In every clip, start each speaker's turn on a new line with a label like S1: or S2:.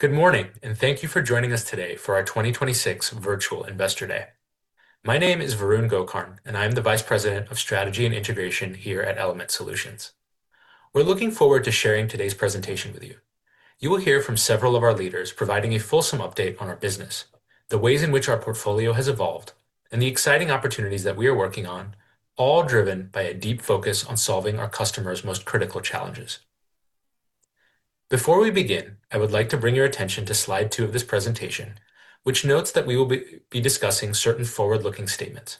S1: Good morning, thank you for joining us today for our 2026 virtual Investor Day. My name is Varun Gokarn, and I'm the Vice President of Strategy and Integration here at Element Solutions. We're looking forward to sharing today's presentation with you. You will hear from several of our leaders providing a fulsome update on our business, the ways in which our portfolio has evolved, and the exciting opportunities that we are working on, all driven by a deep focus on solving our customers' most critical challenges. Before we begin, I would like to bring your attention to slide 2 of this presentation, which notes that we will be discussing certain forward-looking statements.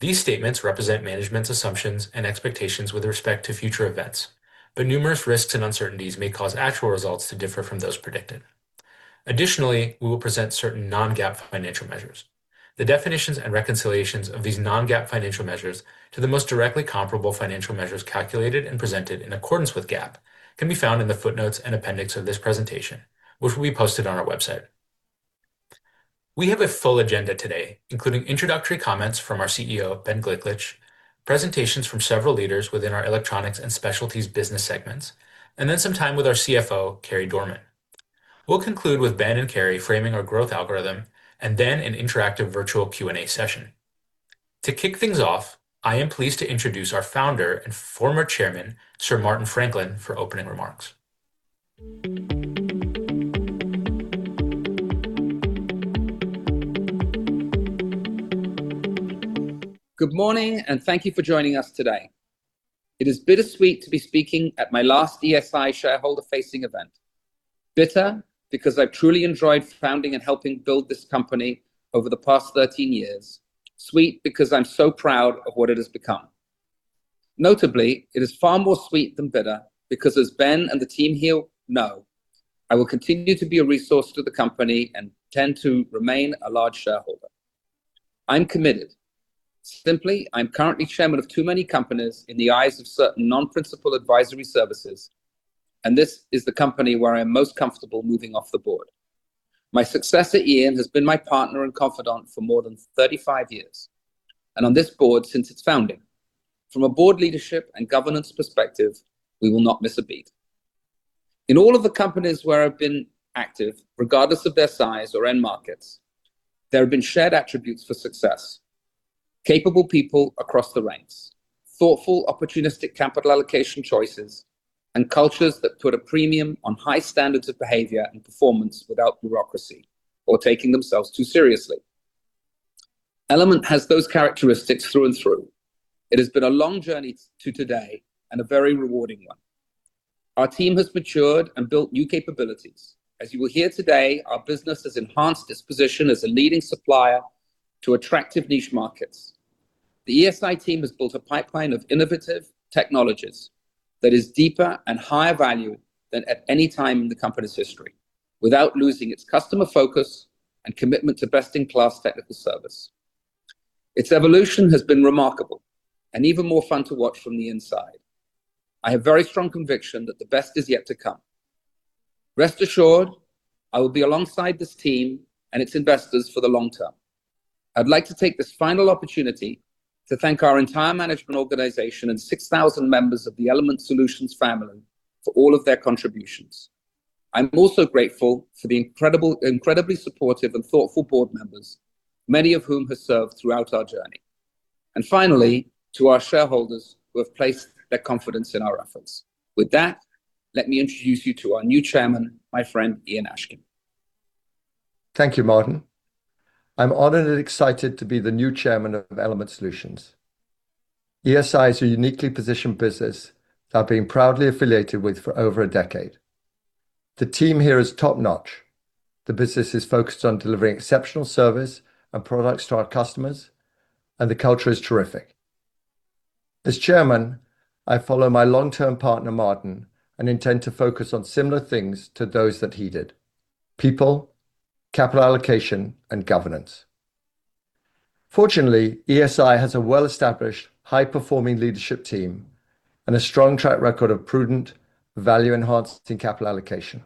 S1: These statements represent management's assumptions and expectations with respect to future events, but numerous risks and uncertainties may cause actual results to differ from those predicted. Additionally, we will present certain non-GAAP financial measures. The definitions and reconciliations of these non-GAAP financial measures to the most directly comparable financial measures calculated and presented in accordance with GAAP can be found in the footnotes and appendix of this presentation, which will be posted on our website. We have a full agenda today, including introductory comments from our CEO, Ben Gliklich, presentations from several leaders within our Electronics and Specialties business segments, and then some time with our CFO, Carey Dorman. We'll conclude with Ben and Carey framing our growth algorithm, and then an interactive virtual Q&A session. To kick things off, I am pleased to introduce our founder and former Chairman, Sir Martin Franklin, for opening remarks.
S2: Good morning, thank you for joining us today. It is bittersweet to be speaking at my last ESI shareholder-facing event. Bitter because I've truly enjoyed founding and helping build this company over the past 13 years. Sweet because I'm so proud of what it has become. Notably, it is far more sweet than bitter because as Ben and the team here know, I will continue to be a resource to the company and intend to remain a large shareholder. I'm committed. Simply, I'm currently chairman of too many companies in the eyes of certain non-principal advisory services, and this is the company where I'm most comfortable moving off the board. My successor, Ian, has been my partner and confidant for more than 35 years, and on this board since its founding. From a board leadership and governance perspective, we will not miss a beat. In all of the companies where I've been active, regardless of their size or end markets, there have been shared attributes for success. Capable people across the ranks, thoughtful, opportunistic capital allocation choices, and cultures that put a premium on high standards of behavior and performance without bureaucracy or taking themselves too seriously. Element has those characteristics through and through. It has been a long journey to today, and a very rewarding one. Our team has matured and built new capabilities. As you will hear today, our business has enhanced its position as a leading supplier to attractive niche markets. The ESI team has built a pipeline of innovative technologies that is deeper and higher value than at any time in the company's history, without losing its customer focus and commitment to best-in-class technical service. Its evolution has been remarkable, and even more fun to watch from the inside. I have very strong conviction that the best is yet to come. Rest assured, I will be alongside this team and its investors for the long term. I'd like to take this final opportunity to thank our entire management organization and 6,000 members of the Element Solutions family for all of their contributions. I'm also grateful for the incredibly supportive and thoughtful board members, many of whom have served throughout our journey. Finally, to our shareholders who have placed their confidence in our efforts. With that, let me introduce you to our new chairman, my friend, Ian G. H. Ashken.
S3: Thank you, Martin. I'm honored and excited to be the new chairman of Element Solutions. ESI is a uniquely positioned business that I've been proudly affiliated with for over a decade. The team here is top-notch. The business is focused on delivering exceptional service and products to our customers, and the culture is terrific. As chairman, I follow my long-term partner, Martin, and intend to focus on similar things to those that he did: people, capital allocation, and governance. Fortunately, ESI has a well-established, high-performing leadership team and a strong track record of prudent value-enhancing capital allocation.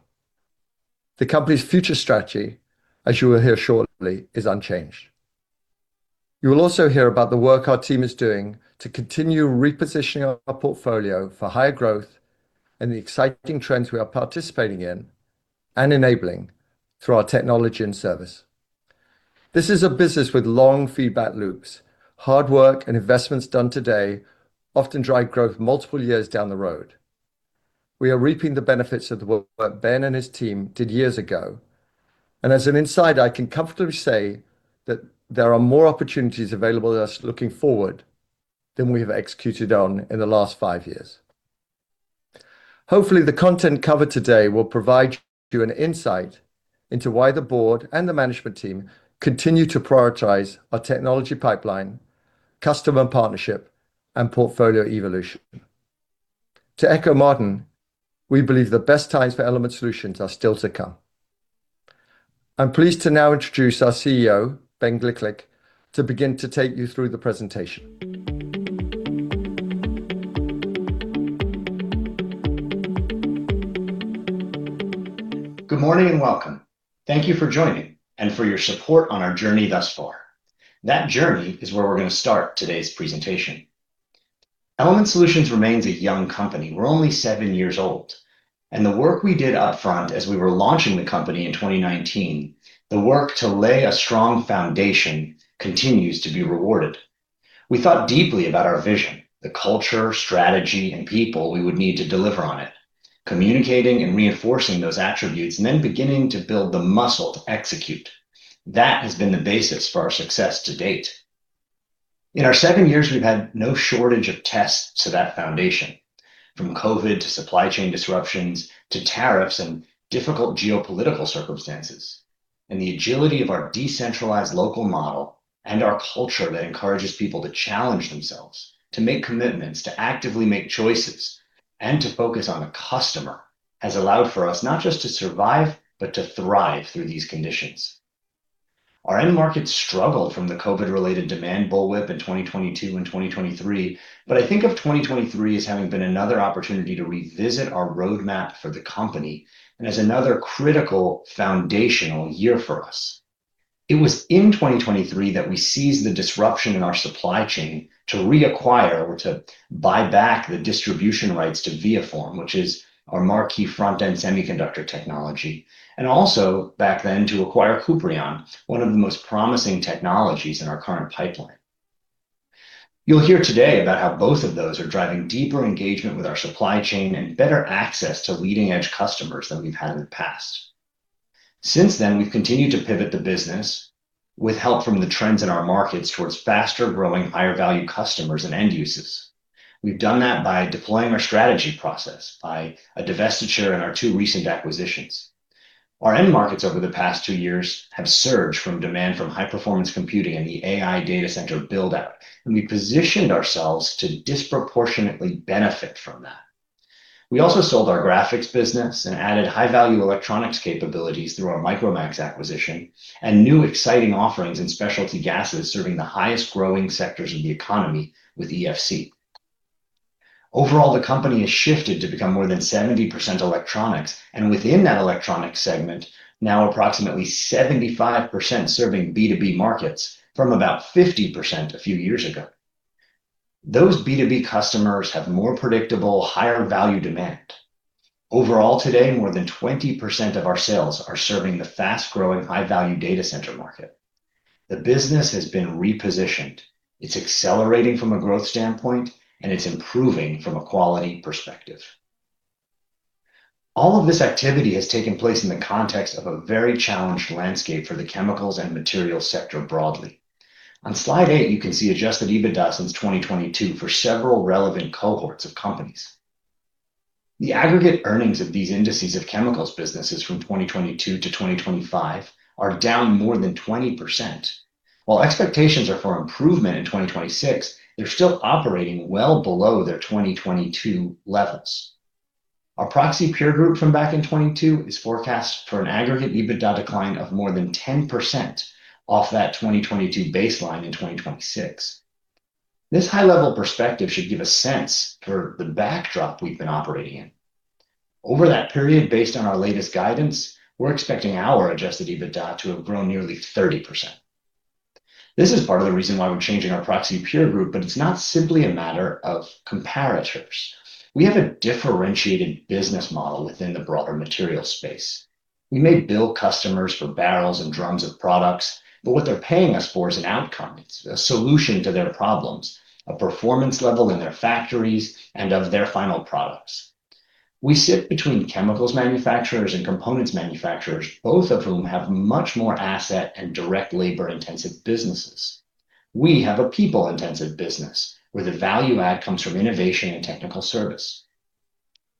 S3: The company's future strategy, as you will hear shortly, is unchanged. You will also hear about the work our team is doing to continue repositioning our portfolio for higher growth and the exciting trends we are participating in and enabling through our technology and service. This is a business with long feedback loops. Hard work and investments done today often drive growth multiple years down the road. We are reaping the benefits of the work Ben and his team did years ago. As an insider, I can comfortably say that there are more opportunities available to us looking forward than we have executed on in the last five years. Hopefully, the content covered today will provide you an insight into why the board and the management team continue to prioritize our technology pipeline, customer partnership, and portfolio evolution. To echo Martin, we believe the best times for Element Solutions are still to come. I'm pleased to now introduce our CEO, Ben Gliklich, to begin to take you through the presentation.
S4: Good morning and welcome. Thank you for joining and for your support on our journey thus far. That journey is where we're gonna start today's presentation. Element Solutions remains a young company. We're only 7 years old. The work we did upfront as we were launching the company in 2019, the work to lay a strong foundation continues to be rewarded. We thought deeply about our vision, the culture, strategy, and people we would need to deliver on it, communicating and reinforcing those attributes, then beginning to build the muscle to execute. That has been the basis for our success to date. In our 7 years, we've had no shortage of tests to that foundation, from COVID to supply chain disruptions to tariffs and difficult geopolitical circumstances. The agility of our decentralized local model and our culture that encourages people to challenge themselves, to make commitments, to actively make choices, and to focus on the customer has allowed for us not just to survive but to thrive through these conditions. Our end markets struggled from the COVID-related demand bullwhip in 2022 and 2023. I think of 2023 as having been another opportunity to revisit our roadmap for the company and as another critical foundational year for us. It was in 2023 that we seized the disruption in our supply chain to reacquire or to buy back the distribution rights to ViaForm, which is our marquee front-end semiconductor technology, and also back then to acquire Kuprion, one of the most promising technologies in our current pipeline. You'll hear today about how both of those are driving deeper engagement with our supply chain and better access to leading-edge customers than we've had in the past. Since then, we've continued to pivot the business with help from the trends in our markets towards faster-growing, higher-value customers and end uses. We've done that by deploying our strategy process by a divestiture in our 2 recent acquisitions. Our end markets over the past 2 years have surged from demand from high-performance computing and the AI data center build-out. We positioned ourselves to disproportionately benefit from that. We also sold our graphics business and added high-value electronics capabilities through our Micromax acquisition and new exciting offerings in specialty gases serving the highest growing sectors of the economy with EFC. Overall, the company has shifted to become more than 70% electronics. Within that electronics segment, now approximately 75% serving B2B markets from about 50% a few years ago. Those B2B customers have more predictable, higher-value demand. Overall, today, more than 20% of our sales are serving the fast-growing, high-value data center market. The business has been repositioned. It's accelerating from a growth standpoint, and it's improving from a quality perspective. All of this activity has taken place in the context of a very challenged landscape for the chemicals and materials sector broadly. On slide 8, you can see adjusted EBITDA since 2022 for several relevant cohorts of companies. The aggregate earnings of these indices of chemicals businesses from 2022 to 2025 are down more than 20%. While expectations are for improvement in 2026, they're still operating well below their 2022 levels. Our proxy peer group from back in 2022 is forecast for an aggregate EBITDA decline of more than 10% off that 2022 baseline in 2026. This high-level perspective should give a sense for the backdrop we've been operating in. Over that period, based on our latest guidance, we're expecting our adjusted EBITDA to have grown nearly 30%. This is part of the reason why we're changing our proxy peer group, it's not simply a matter of comparators. We have a differentiated business model within the broader material space. We may bill customers for barrels and drums of products, what they're paying us for is an outcome. It's a solution to their problems, a performance level in their factories, and of their final products. We sit between chemicals manufacturers and components manufacturers, both of whom have much more asset and direct labor-intensive businesses. We have a people-intensive business where the value add comes from innovation and technical service.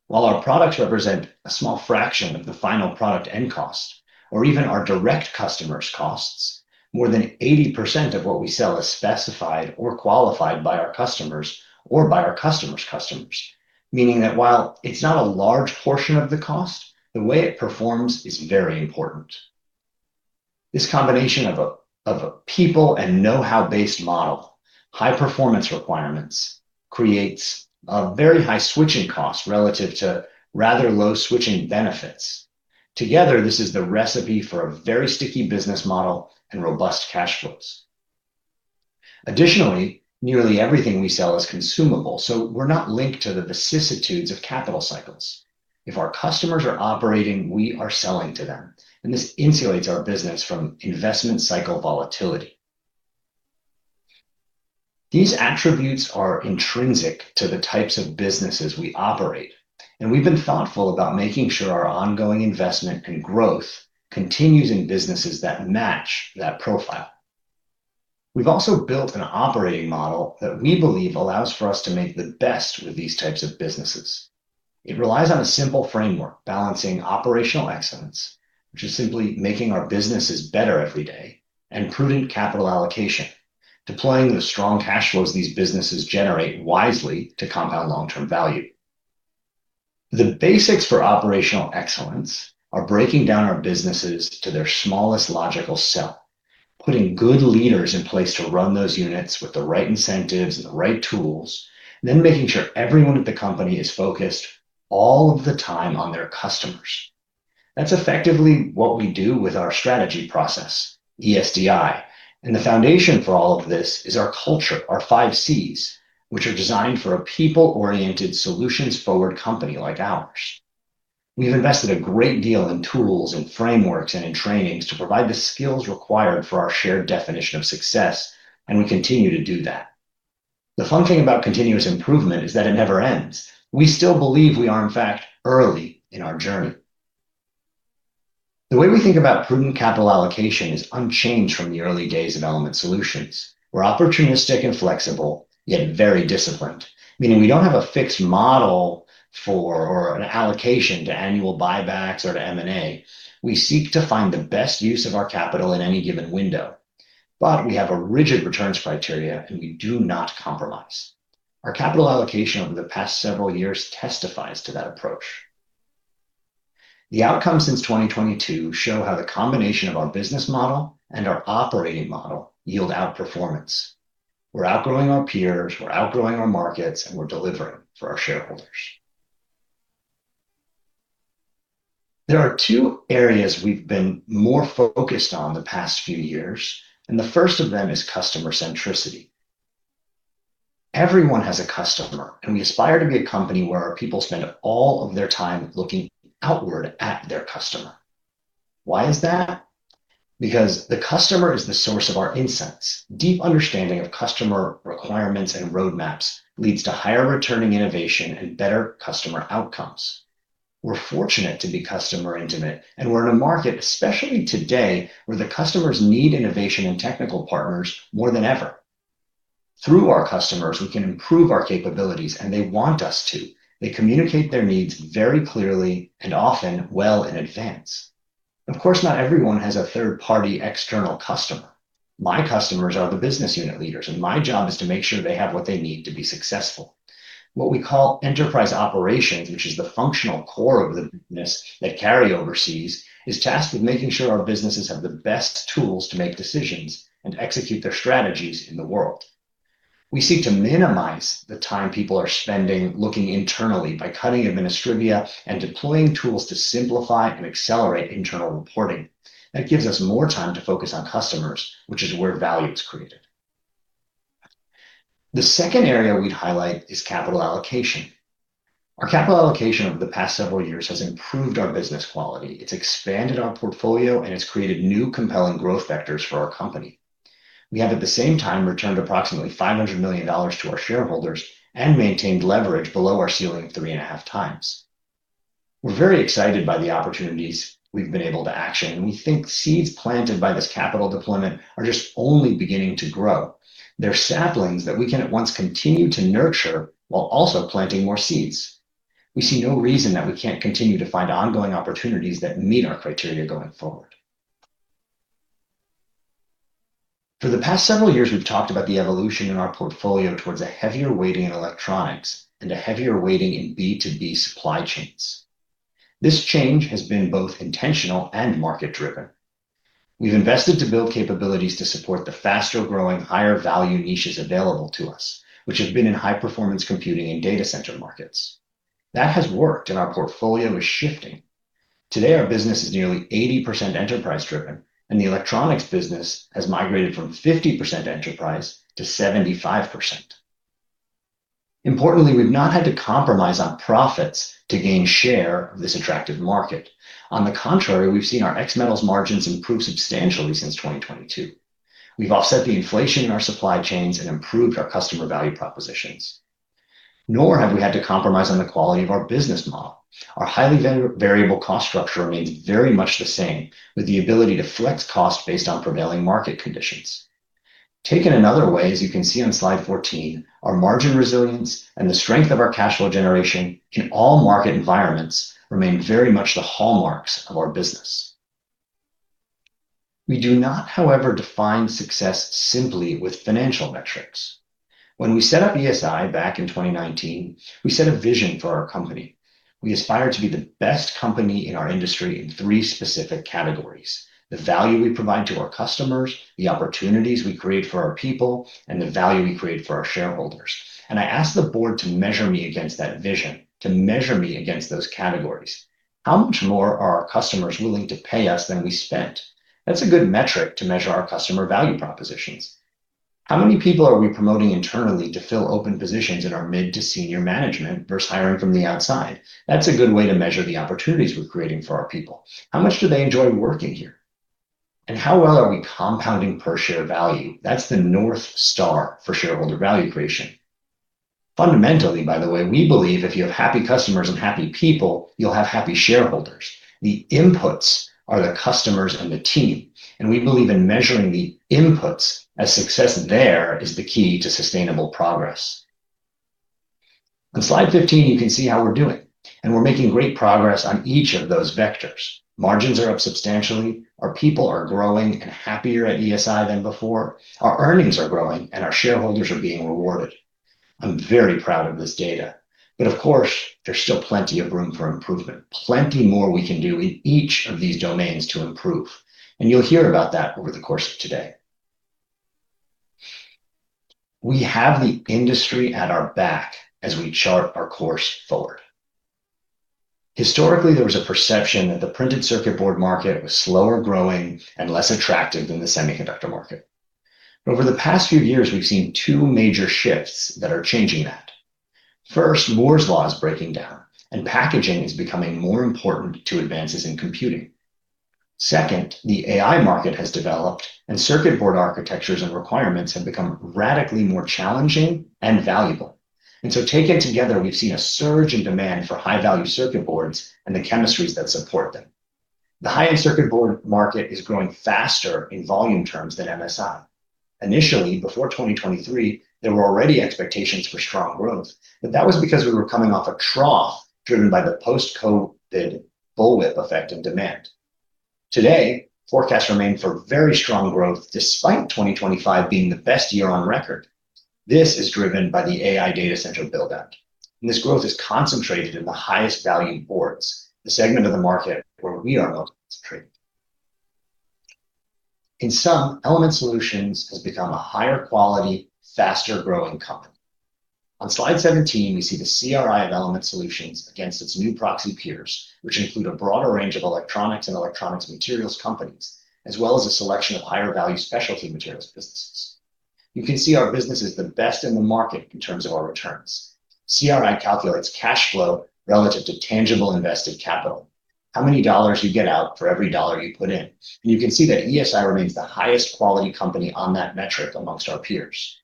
S4: While our products represent a small fraction of the final product end cost or even our direct customers' costs, more than 80% of what we sell is specified or qualified by our customers or by our customers' customers, meaning that while it's not a large portion of the cost, the way it performs is very important. This combination of a people and know-how based model, high performance requirements, creates a very high switching cost relative to rather low switching benefits. Together, this is the recipe for a very sticky business model and robust cash flows. Additionally, nearly everything we sell is consumable, so we're not linked to the vicissitudes of capital cycles. If our customers are operating, we are selling to them, and this insulates our business from investment cycle volatility. These attributes are intrinsic to the types of businesses we operate, and we've been thoughtful about making sure our ongoing investment and growth continues in businesses that match that profile. We've also built an operating model that we believe allows for us to make the best with these types of businesses. It relies on a simple framework balancing operational excellence, which is simply making our businesses better every day, and prudent capital allocation, deploying the strong cash flows these businesses generate wisely to compound long-term value. The basics for operational excellence are breaking down our businesses to their smallest logical cell, putting good leaders in place to run those units with the right incentives and the right tools, then making sure everyone at the company is focused all of the time on their customers. That's effectively what we do with our strategy process, ESDI. The foundation for all of this is our culture, our five Cs, which are designed for a people-oriented solutions-forward company like ours. We've invested a great deal in tools and frameworks and in trainings to provide the skills required for our shared definition of success, and we continue to do that. The fun thing about continuous improvement is that it never ends. We still believe we are, in fact, early in our journey. The way we think about prudent capital allocation is unchanged from the early days of Element Solutions. We're opportunistic and flexible, yet very disciplined, meaning we don't have a fixed model for or an allocation to annual buybacks or to M&A. We seek to find the best use of our capital in any given window. We have a rigid returns criteria, and we do not compromise. Our capital allocation over the past several years testifies to that approach. The outcomes since 2022 show how the combination of our business model and our operating model yield outperformance. We're outgrowing our peers, we're outgrowing our markets, and we're delivering for our shareholders. There are two areas we've been more focused on the past few years. The first of them is customer centricity. Everyone has a customer. We aspire to be a company where our people spend all of their time looking outward at their customer. Why is that? Because the customer is the source of our insights. Deep understanding of customer requirements and roadmaps leads to higher-returning innovation and better customer outcomes. We're fortunate to be customer intimate. We're in a market, especially today, where the customers need innovation and technical partners more than ever. Through our customers, we can improve our capabilities, and they want us to. They communicate their needs very clearly and often well in advance. Of course, not everyone has a third-party external customer. My customers are the business unit leaders, and my job is to make sure they have what they need to be successful. What we call Enterprise Operations, which is the functional core of the business that Carey oversees, is tasked with making sure our businesses have the best tools to make decisions and execute their strategies in the world. We seek to minimize the time people are spending looking internally by cutting administrivia and deploying tools to simplify and accelerate internal reporting. That gives us more time to focus on customers, which is where value is created. The second area we'd highlight is capital allocation. Our capital allocation over the past several years has improved our business quality. It's expanded our portfolio, it's created new compelling growth vectors for our company. We have at the same time returned approximately $500 million to our shareholders and maintained leverage below our ceiling of 3.5 times. We're very excited by the opportunities we've been able to action, we think seeds planted by this capital deployment are just only beginning to grow. They're saplings that we can at once continue to nurture while also planting more seeds. We see no reason that we can't continue to find ongoing opportunities that meet our criteria going forward. For the past several years, we've talked about the evolution in our portfolio towards a heavier weighting in electronics and a heavier weighting in B2B supply chains. This change has been both intentional and market-driven. We've invested to build capabilities to support the faster-growing, higher-value niches available to us, which have been in high-performance computing and data center markets. That has worked, and our portfolio is shifting. Today, our business is nearly 80% enterprise-driven, and the electronics business has migrated from 50% enterprise to 75%. Importantly, we've not had to compromise on profits to gain share of this attractive market. On the contrary, we've seen our ex metals margins improve substantially since 2022. We've offset the inflation in our supply chains and improved our customer value propositions. Nor have we had to compromise on the quality of our business model. Our highly variable cost structure remains very much the same, with the ability to flex cost based on prevailing market conditions. Taken another way, as you can see on slide 14, our margin resilience and the strength of our cash flow generation in all market environments remain very much the hallmarks of our business. We do not, however, define success simply with financial metrics. When we set up ESI back in 2019, we set a vision for our company. We aspire to be the best company in our industry in 3 specific categories, the value we provide to our customers, the opportunities we create for our people, and the value we create for our shareholders. I ask the board to measure me against that vision, to measure me against those categories. How much more are our customers willing to pay us than we spent? That's a good metric to measure our customer value propositions. How many people are we promoting internally to fill open positions in our mid to senior management versus hiring from the outside? That's a good way to measure the opportunities we're creating for our people. How much do they enjoy working here? How well are we compounding per share value? That's the north star for shareholder value creation. Fundamentally, by the way, we believe if you have happy customers and happy people, you'll have happy shareholders. The inputs are the customers and the team, and we believe in measuring the inputs as success there is the key to sustainable progress. On slide 15, you can see how we're doing, and we're making great progress on each of those vectors. Margins are up substantially. Our people are growing and happier at ESI than before. Our earnings are growing, and our shareholders are being rewarded. I'm very proud of this data. Of course, there's still plenty of room for improvement, plenty more we can do in each of these domains to improve, and you'll hear about that over the course of today. We have the industry at our back as we chart our course forward. Historically, there was a perception that the printed circuit board market was slower growing and less attractive than the semiconductor market. Over the past few years, we've seen two major shifts that are changing that. First, Moore's Law is breaking down, and packaging is becoming more important to advances in computing. Second, the AI market has developed, and circuit board architectures and requirements have become radically more challenging and valuable. Taken together, we've seen a surge in demand for high-value circuit boards and the chemistries that support them. The high-end circuit board market is growing faster in volume terms than MSI. Initially, before 2023, there were already expectations for strong growth. That was because we were coming off a trough driven by the post-COVID bullwhip effect of demand. Today, forecasts remain for very strong growth despite 2025 being the best year on record. This is driven by the AI data center build-out. This growth is concentrated in the highest value boards, the segment of the market where we are most traded. In sum, Element Solutions has become a higher quality, faster growing company. On slide 17, we see the CROCI of Element Solutions against its new proxy peers, which include a broader range of electronics and electronics materials companies, as well as a selection of higher value specialty materials businesses. You can see our business is the best in the market in terms of our returns. CROCI calculates cash flow relative to tangible invested capital. How many dollars you get out for every dollar you put in. You can see that ESI remains the highest quality company on that metric amongst our peers,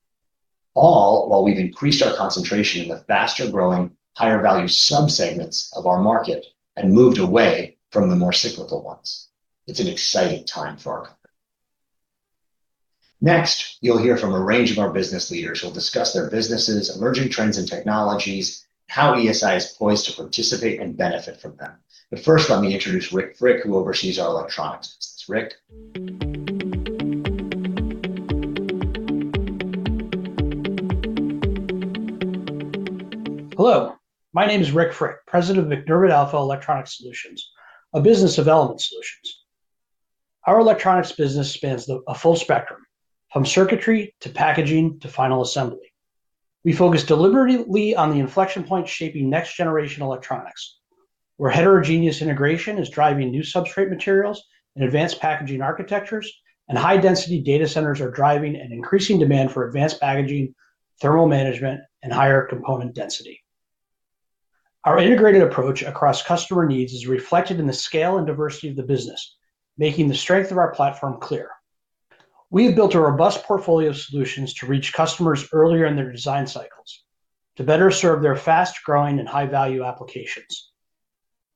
S4: all while we've increased our concentration in the faster-growing, higher value subsegments of our market and moved away from the more cyclical ones. It's an exciting time for our company. Next, you'll hear from a range of our business leaders who will discuss their businesses, emerging trends and technologies, how ESI is poised to participate and benefit from them. First, let me introduce Rick Fricke, who oversees our electronics business. Rick?
S5: Hello, my name is Rick Frick, President of MacDermid Alpha Electronics Solutions, a business of Element Solutions Inc. Our electronics business spans the full spectrum, from circuitry to packaging to final assembly. We focus deliberately on the inflection point shaping next generation electronics, where heterogeneous integration is driving new substrate materials and advanced packaging architectures, and high-density data centers are driving an increasing demand for advanced packaging, thermal management, and higher component density. Our integrated approach across customer needs is reflected in the scale and diversity of the business, making the strength of our platform clear. We have built a robust portfolio of solutions to reach customers earlier in their design cycles to better serve their fast-growing and high-value applications.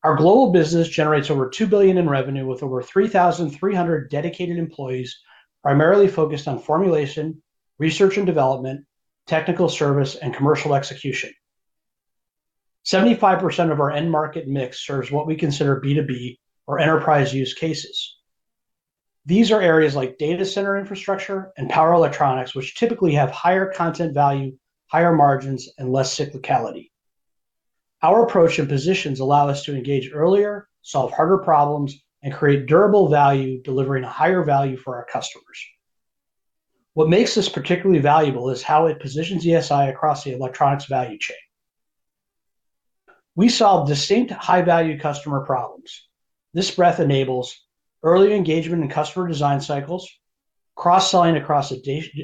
S5: Our global business generates over $2 billion in revenue, with over 3,300 dedicated employees primarily focused on formulation, research and development, technical service, and commercial execution. 75% of our end market mix serves what we consider B2B or enterprise use cases. These are areas like data center infrastructure and power electronics, which typically have higher content value, higher margins, and less cyclicality. Our approach and positions allow us to engage earlier, solve harder problems, and create durable value, delivering a higher value for our customers. What makes this particularly valuable is how it positions ESI across the electronics value chain. We solve distinct high-value customer problems. This breadth enables early engagement in customer design cycles, cross-selling across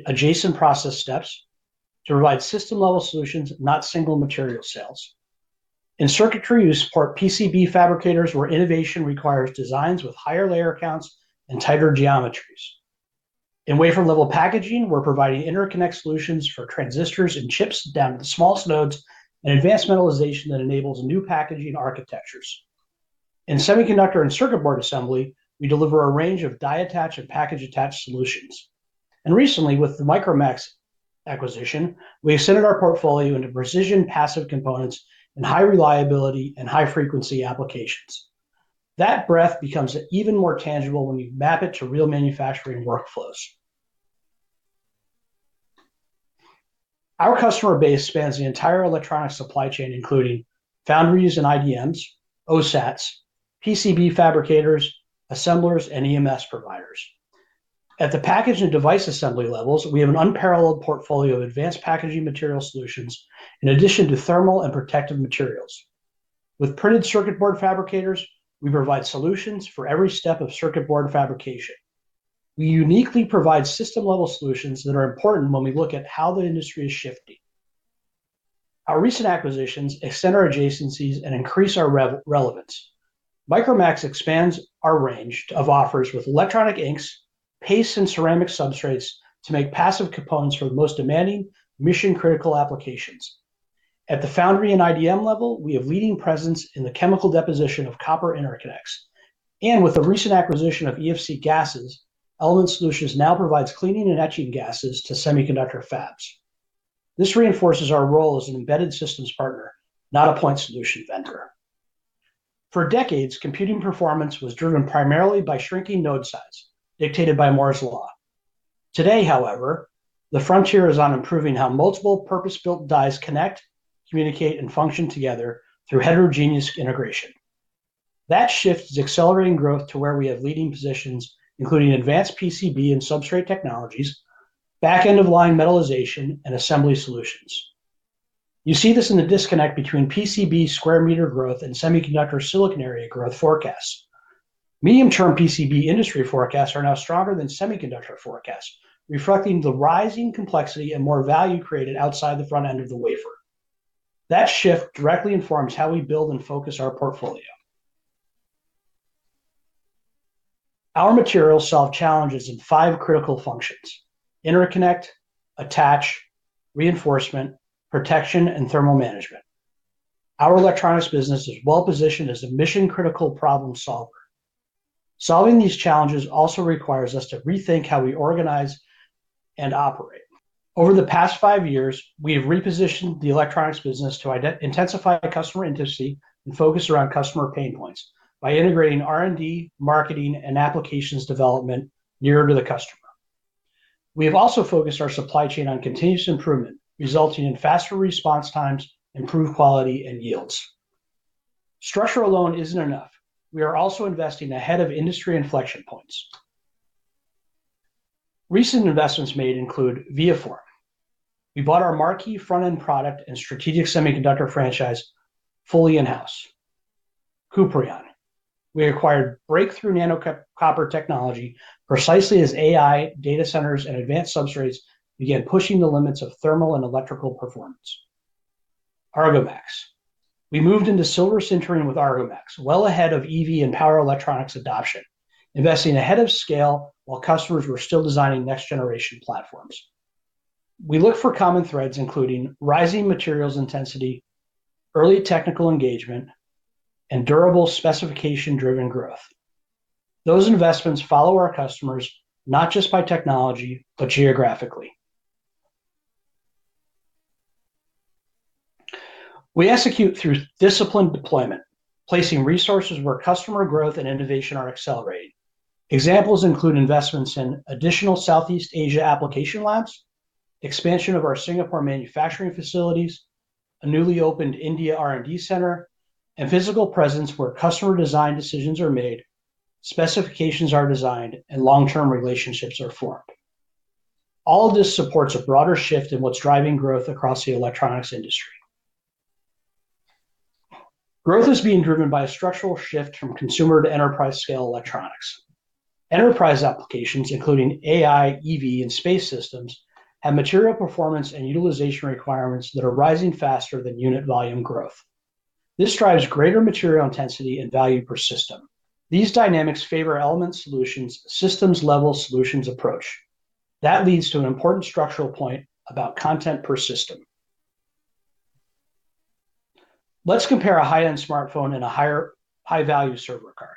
S5: adjacent process steps to provide system-level solutions, not single material sales. In Circuitry, we support PCB fabricators where innovation requires designs with higher layer counts and tighter geometries. In wafer-level packaging, we're providing interconnect solutions for transistors and chips down to the smallest nodes and advanced metalization that enables new packaging architectures. In semiconductor and circuit board assembly, we deliver a range of die attach and package attach solutions. Recently, with the Micromax acquisition, we extended our portfolio into precision passive components and high reliability and high-frequency applications. That breadth becomes even more tangible when you map it to real manufacturing workflows. Our customer base spans the entire electronic supply chain, including foundries and IDMs, OSATs, PCB fabricators, assemblers, and EMS providers. At the package and device assembly levels, we have an unparalleled portfolio of advanced packaging material solutions in addition to thermal and protective materials. With printed circuit board fabricators, we provide solutions for every step of circuit board fabrication. We uniquely provide system-level solutions that are important when we look at how the industry is shifting. Our recent acquisitions extend our adjacencies and increase our relevance. Micromax expands our range of offers with electronic inks, paste, and ceramic substrates to make passive components for the most demanding mission-critical applications. At the foundry and IDM level, we have leading presence in the chemical deposition of copper interconnects. With the recent acquisition of EFC Gases, Element Solutions now provides cleaning and etching gases to semiconductor fabs. This reinforces our role as an embedded systems partner, not a point solution vendor. For decades, computing performance was driven primarily by shrinking node size, dictated by Moore's Law. Today, however, the frontier is on improving how multiple purpose-built dies connect, communicate, and function together through heterogeneous integration. That shift is accelerating growth to where we have leading positions, including advanced PCB and substrate technologies, back-end-of-line metallization, and assembly solutions. You see this in the disconnect between PCB square meter growth and semiconductor silicon area growth forecasts. Medium-term PCB industry forecasts are now stronger than semiconductor forecasts, reflecting the rising complexity and more value created outside the front end of the wafer. That shift directly informs how we build and focus our portfolio. Our materials solve challenges in five critical functions, interconnect, attach, reinforcement, protection, and thermal management. Our electronics business is well-positioned as a mission-critical problem solver. Solving these challenges also requires us to rethink how we organize and operate. Over the past five years, we have repositioned the electronics business to intensify customer intimacy and focus around customer pain points by integrating R&D, marketing, and applications development nearer to the customer. We have also focused our supply chain on continuous improvement, resulting in faster response times, improved quality and yields. Structure alone isn't enough. We are also investing ahead of industry inflection points. Recent investments made include ViaForm. We bought our marquee front-end product and strategic semiconductor franchise fully in-house. Kuprion. We acquired breakthrough nano-copper technology precisely as AI, data centers, and advanced substrates began pushing the limits of thermal and electrical performance. Argomax. We moved into silver sintering with Argomax, well ahead of EV and power electronics adoption, investing ahead of scale while customers were still designing next-generation platforms. We look for common threads, including rising materials intensity, early technical engagement, and durable specification-driven growth. Those investments follow our customers, not just by technology, but geographically. We execute through disciplined deployment, placing resources where customer growth and innovation are accelerating. Examples include investments in additional Southeast Asia application labs, expansion of our Singapore manufacturing facilities, a newly opened India R&D center, and physical presence where customer design decisions are made, specifications are designed, and long-term relationships are formed. All of this supports a broader shift in what's driving growth across the electronics industry. Growth is being driven by a structural shift from consumer to enterprise-scale electronics. Enterprise applications, including AI, EV, and space systems, have material performance and utilization requirements that are rising faster than unit volume growth. This drives greater material intensity and value per system. These dynamics favor Element Solutions' systems-level solutions approach. That leads to an important structural point about content per system. Let's compare a high-end smartphone and a higher, high-value server card.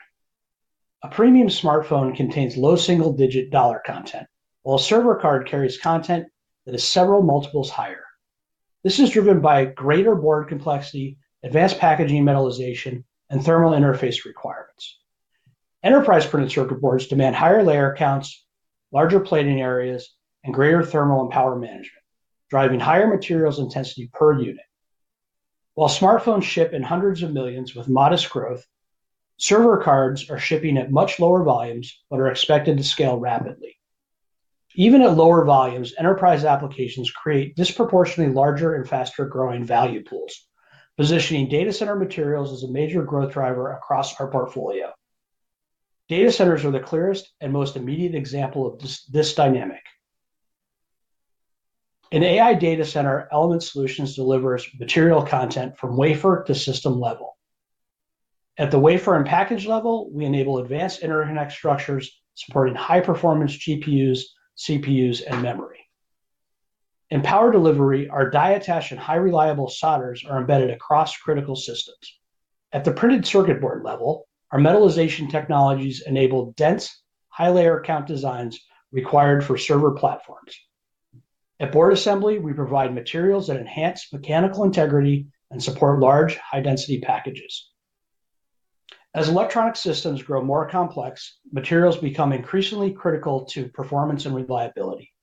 S5: A premium smartphone contains low single-digit dollar content, while a server card carries content that is several multiples higher. This is driven by greater board complexity, advanced packaging metallization, and thermal interface requirements. Enterprise printed circuit boards demand higher layer counts, larger plating areas, and greater thermal and power management, driving higher materials intensity per unit. While smartphones ship in hundreds of millions with modest growth, server cards are shipping at much lower volumes but are expected to scale rapidly. Even at lower volumes, enterprise applications create disproportionately larger and faster-growing value pools, positioning data center materials as a major growth driver across our portfolio. Data centers are the clearest and most immediate example of this dynamic. In AI data center, Element Solutions delivers material content from wafer to system level. At the wafer and package level, we enable advanced interconnect structures supporting high-performance GPUs, CPUs, and memory. In power delivery, our die attach and high reliable solders are embedded across critical systems. At the printed circuit board level, our metallization technologies enable dense, high layer count designs required for server platforms. At board assembly, we provide materials that enhance mechanical integrity and support large, high-density packages. As electronic systems grow more complex, materials become increasingly critical to performance and reliability.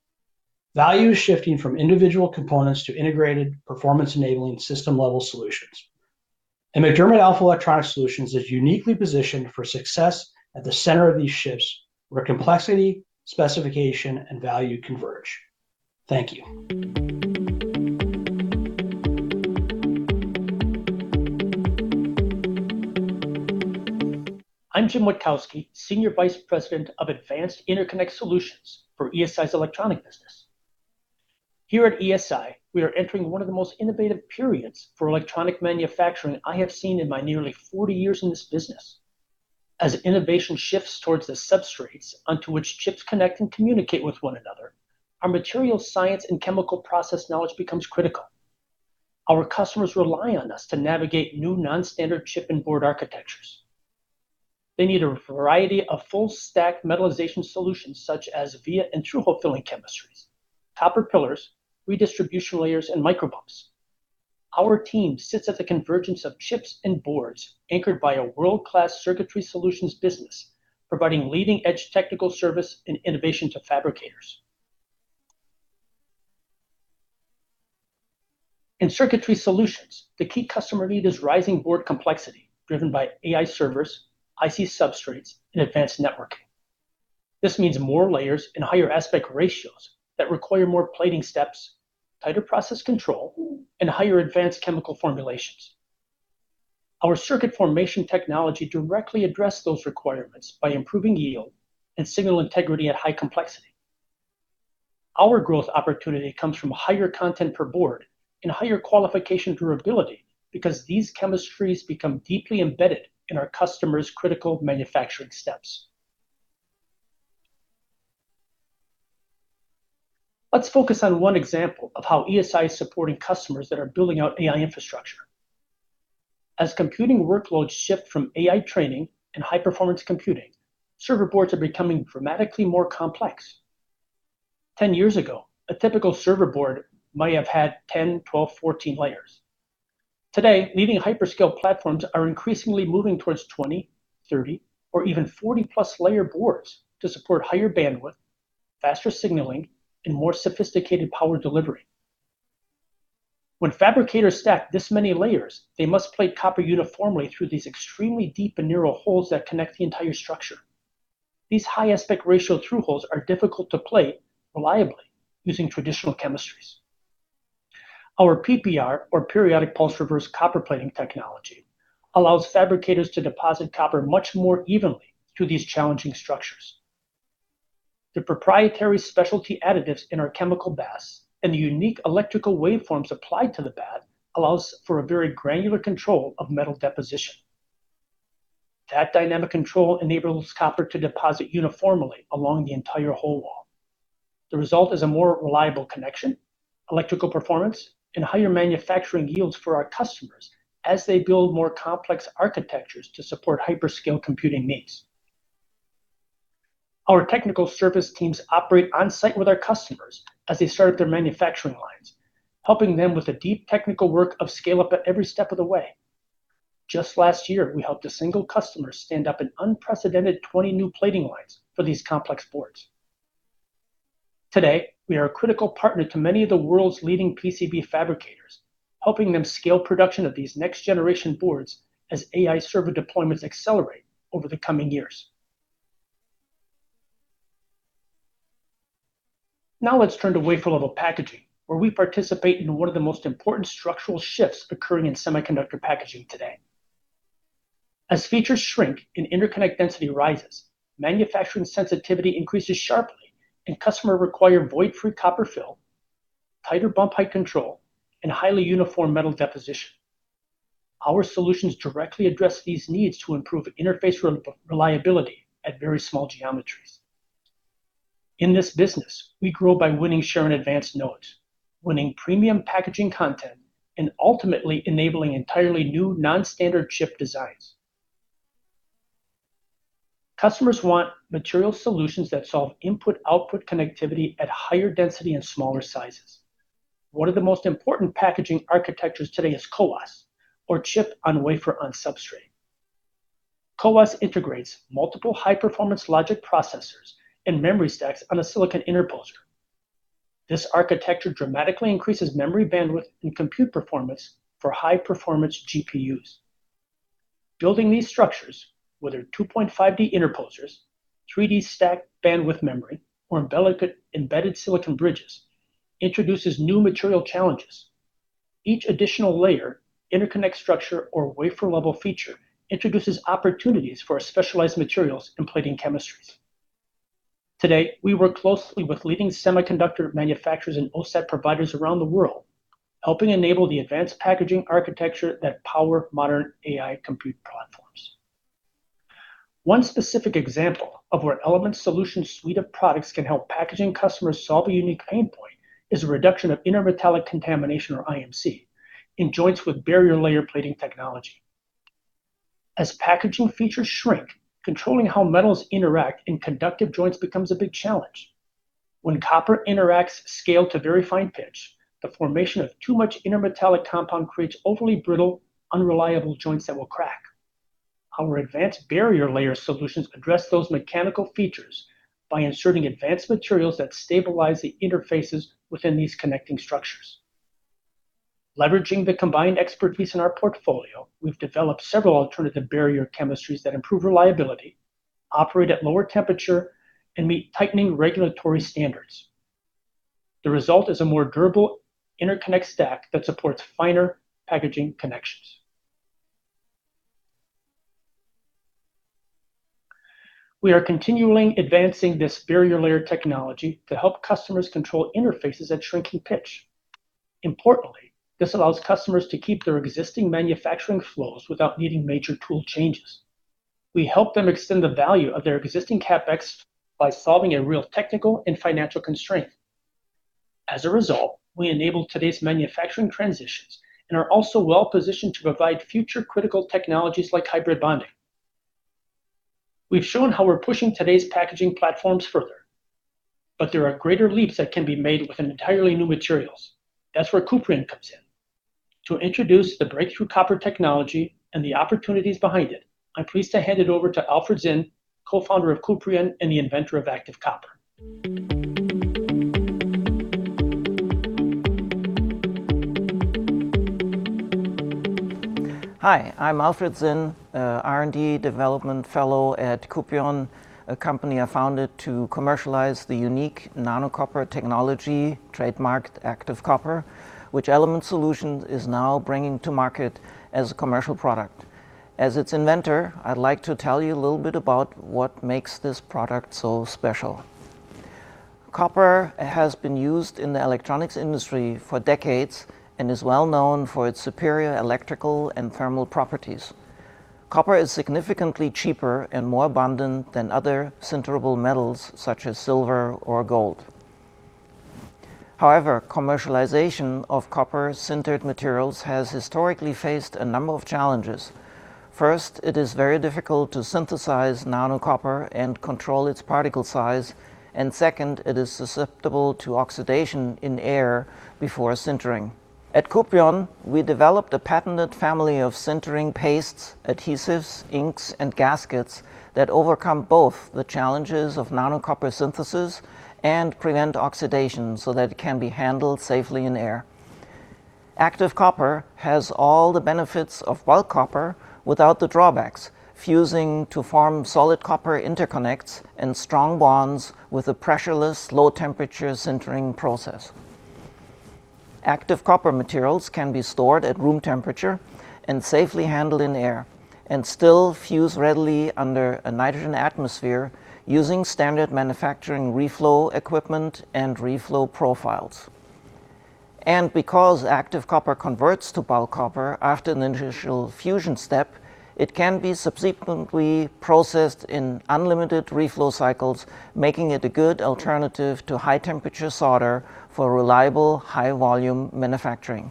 S5: Value is shifting from individual components to integrated performance-enabling system-level solutions. MacDermid Alpha Electronics Solutions is uniquely positioned for success at the center of these shifts, where complexity, specification, and value converge. Thank you.
S6: I'm Jim Watkowski, Senior Vice President of Advanced Interconnect Solutions for ESI's electronic business. Here at ESI, we are entering one of the most innovative periods for electronic manufacturing I have seen in my nearly 40 years in this business. As innovation shifts towards the substrates onto which chips connect and communicate with one another, our material science and chemical process knowledge becomes critical. Our customers rely on us to navigate new non-standard chip and board architectures. They need a variety of full-stack metallization solutions such as via and through-hole filling chemistries, copper pillars, redistribution layers, and micro bumps. Our team sits at the convergence of chips and boards anchored by a world-class Circuitry Solutions business, providing leading-edge technical service and innovation to fabricators. In Circuitry Solutions, the key customer need is rising board complexity driven by AI servers, IC substrates, and advanced networking. This means more layers and higher aspect ratios that require more plating steps, tighter process control, and higher advanced chemical formulations. Our circuit formation technology directly address those requirements by improving yield and signal integrity at high complexity. Our growth opportunity comes from higher content per board and higher qualification durability because these chemistries become deeply embedded in our customers' critical manufacturing steps. Let's focus on 1 example of how ESI is supporting customers that are building out AI infrastructure. As computing workloads shift from AI training and high-performance computing, server boards are becoming dramatically more complex. 10 years ago, a typical server board might have had 10, 12, 14 layers. Today, leading hyperscale platforms are increasingly moving towards 20, 30, or even 40-plus layer boards to support higher bandwidth, faster signaling, and more sophisticated power delivery. When fabricators stack this many layers, they must plate copper uniformly through these extremely deep and narrow holes that connect the entire structure. These high aspect ratio through holes are difficult to plate reliably using traditional chemistries. Our PPR, or Periodic Pulse Reverse copper plating technology, allows fabricators to deposit copper much more evenly through these challenging structures. The proprietary specialty additives in our chemical baths and the unique electrical waveforms applied to the bath allows for a very granular control of metal deposition. That dynamic control enables copper to deposit uniformly along the entire hole wall. The result is a more reliable connection, electrical performance, and higher manufacturing yields for our customers as they build more complex architectures to support hyperscale computing needs. Our technical service teams operate on-site with our customers as they start up their manufacturing lines, helping them with the deep technical work of scale-up at every step of the way. Just last year, we helped a single customer stand up an unprecedented 20 new plating lines for these complex boards. Today, we are a critical partner to many of the world's leading PCB fabricators, helping them scale production of these next-generation boards as AI server deployments accelerate over the coming years. Let's turn to wafer-level packaging, where we participate in one of the most important structural shifts occurring in semiconductor packaging today. As features shrink and interconnect density rises, manufacturing sensitivity increases sharply, and customers require void-free copper fill, tighter bump height control, and highly uniform metal deposition. Our solutions directly address these needs to improve interface reliability at very small geometries. In this business, we grow by winning share in advanced nodes, winning premium packaging content, and ultimately enabling entirely new non-standard chip designs. Customers want material solutions that solve input-output connectivity at higher density and smaller sizes. One of the most important packaging architectures today is CoWoS, or Chip-on-Wafer-on-Substrate. CoWoS integrates multiple high-performance logic processors and memory stacks on a silicon interposer. This architecture dramatically increases memory bandwidth and compute performance for high-performance GPUs. Building these structures, whether 2.5D interposers, 3D stacked bandwidth memory, or embedded silicon bridges, introduces new material challenges. Each additional layer, interconnect structure, or wafer-level feature introduces opportunities for our specialized materials and plating chemistries. Today, we work closely with leading semiconductor manufacturers and OSAT providers around the world, helping enable the advanced packaging architecture that power modern AI compute platforms. One specific example of where Element Solutions' suite of products can help packaging customers solve a unique pain point is a reduction of intermetallic contamination, or IMC, in joints with barrier layer plating technology. As packaging features shrink, controlling how metals interact in conductive joints becomes a big challenge. When copper interacts scaled to very fine pitch, the formation of too much intermetallic compound creates overly brittle, unreliable joints that will crack. Our advanced barrier layer solutions address those mechanical features by inserting advanced materials that stabilize the interfaces within these connecting structures. Leveraging the combined expertise in our portfolio, we've developed several alternative barrier chemistries that improve reliability, operate at lower temperature, and meet tightening regulatory standards. The result is a more durable interconnect stack that supports finer packaging connections. We are continually advancing this barrier layer technology to help customers control interfaces at shrinking pitch. Importantly, this allows customers to keep their existing manufacturing flows without needing major tool changes. We help them extend the value of their existing CapEx by solving a real technical and financial constraint. As a result, we enable today's manufacturing transitions and are also well-positioned to provide future critical technologies like hybrid bonding. We've shown how we're pushing today's packaging platforms further, but there are greater leaps that can be made with an entirely new materials. That's where Kuprion comes in. To introduce the breakthrough copper technology and the opportunities behind it, I'm pleased to hand it over to Alfred Zinn, co-founder of Kuprion and the inventor of ActiveCopper.
S7: Hi, I'm Alfred Zinn, R&D development fellow at Kuprion, a company I founded to commercialize the unique nano-copper technology, trademarked ActiveCopper, which Element Solutions is now bringing to market as a commercial product. As its inventor, I'd like to tell you a little bit about what makes this product so special. Copper has been used in the electronics industry for decades and is well known for its superior electrical and thermal properties. Copper is significantly cheaper and more abundant than other sinterable metals such as silver or gold. However, commercialization of copper sintered materials has historically faced a number of challenges. First, it is very difficult to synthesize nano-copper and control its particle size, and second, it is susceptible to oxidation in air before sintering. At Kuprion, we developed a patented family of sintering pastes, adhesives, inks, and gaskets that overcome both the challenges of nano copper synthesis and prevent oxidation so that it can be handled safely in air. ActiveCopper has all the benefits of bulk copper without the drawbacks, fusing to form solid copper interconnects and strong bonds with a pressureless low temperature sintering process. ActiveCopper materials can be stored at room temperature and safely handled in air and still fuse readily under a nitrogen atmosphere using standard manufacturing reflow equipment and reflow profiles. Because ActiveCopper converts to bulk copper after an initial fusion step, it can be subsequently processed in unlimited reflow cycles, making it a good alternative to high temperature solder for reliable high volume manufacturing.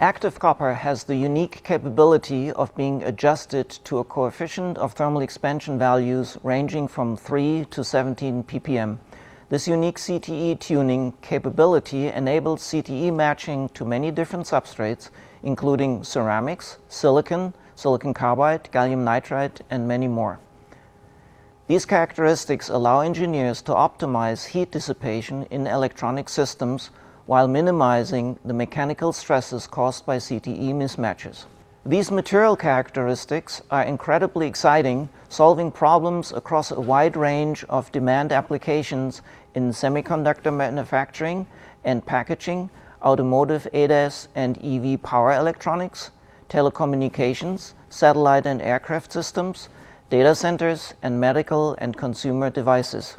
S7: ActiveCopper has the unique capability of being adjusted to a coefficient of thermal expansion values ranging from 3-17 PPM. This unique CTE tuning capability enables CTE matching to many different substrates, including ceramics, silicon carbide, gallium nitride, and many more. These characteristics allow engineers to optimize heat dissipation in electronic systems while minimizing the mechanical stresses caused by CTE mismatches. These material characteristics are incredibly exciting, solving problems across a wide range of demand applications in semiconductor manufacturing and packaging, automotive ADAS and EV power electronics, telecommunications, satellite and aircraft systems, data centers, and medical and consumer devices.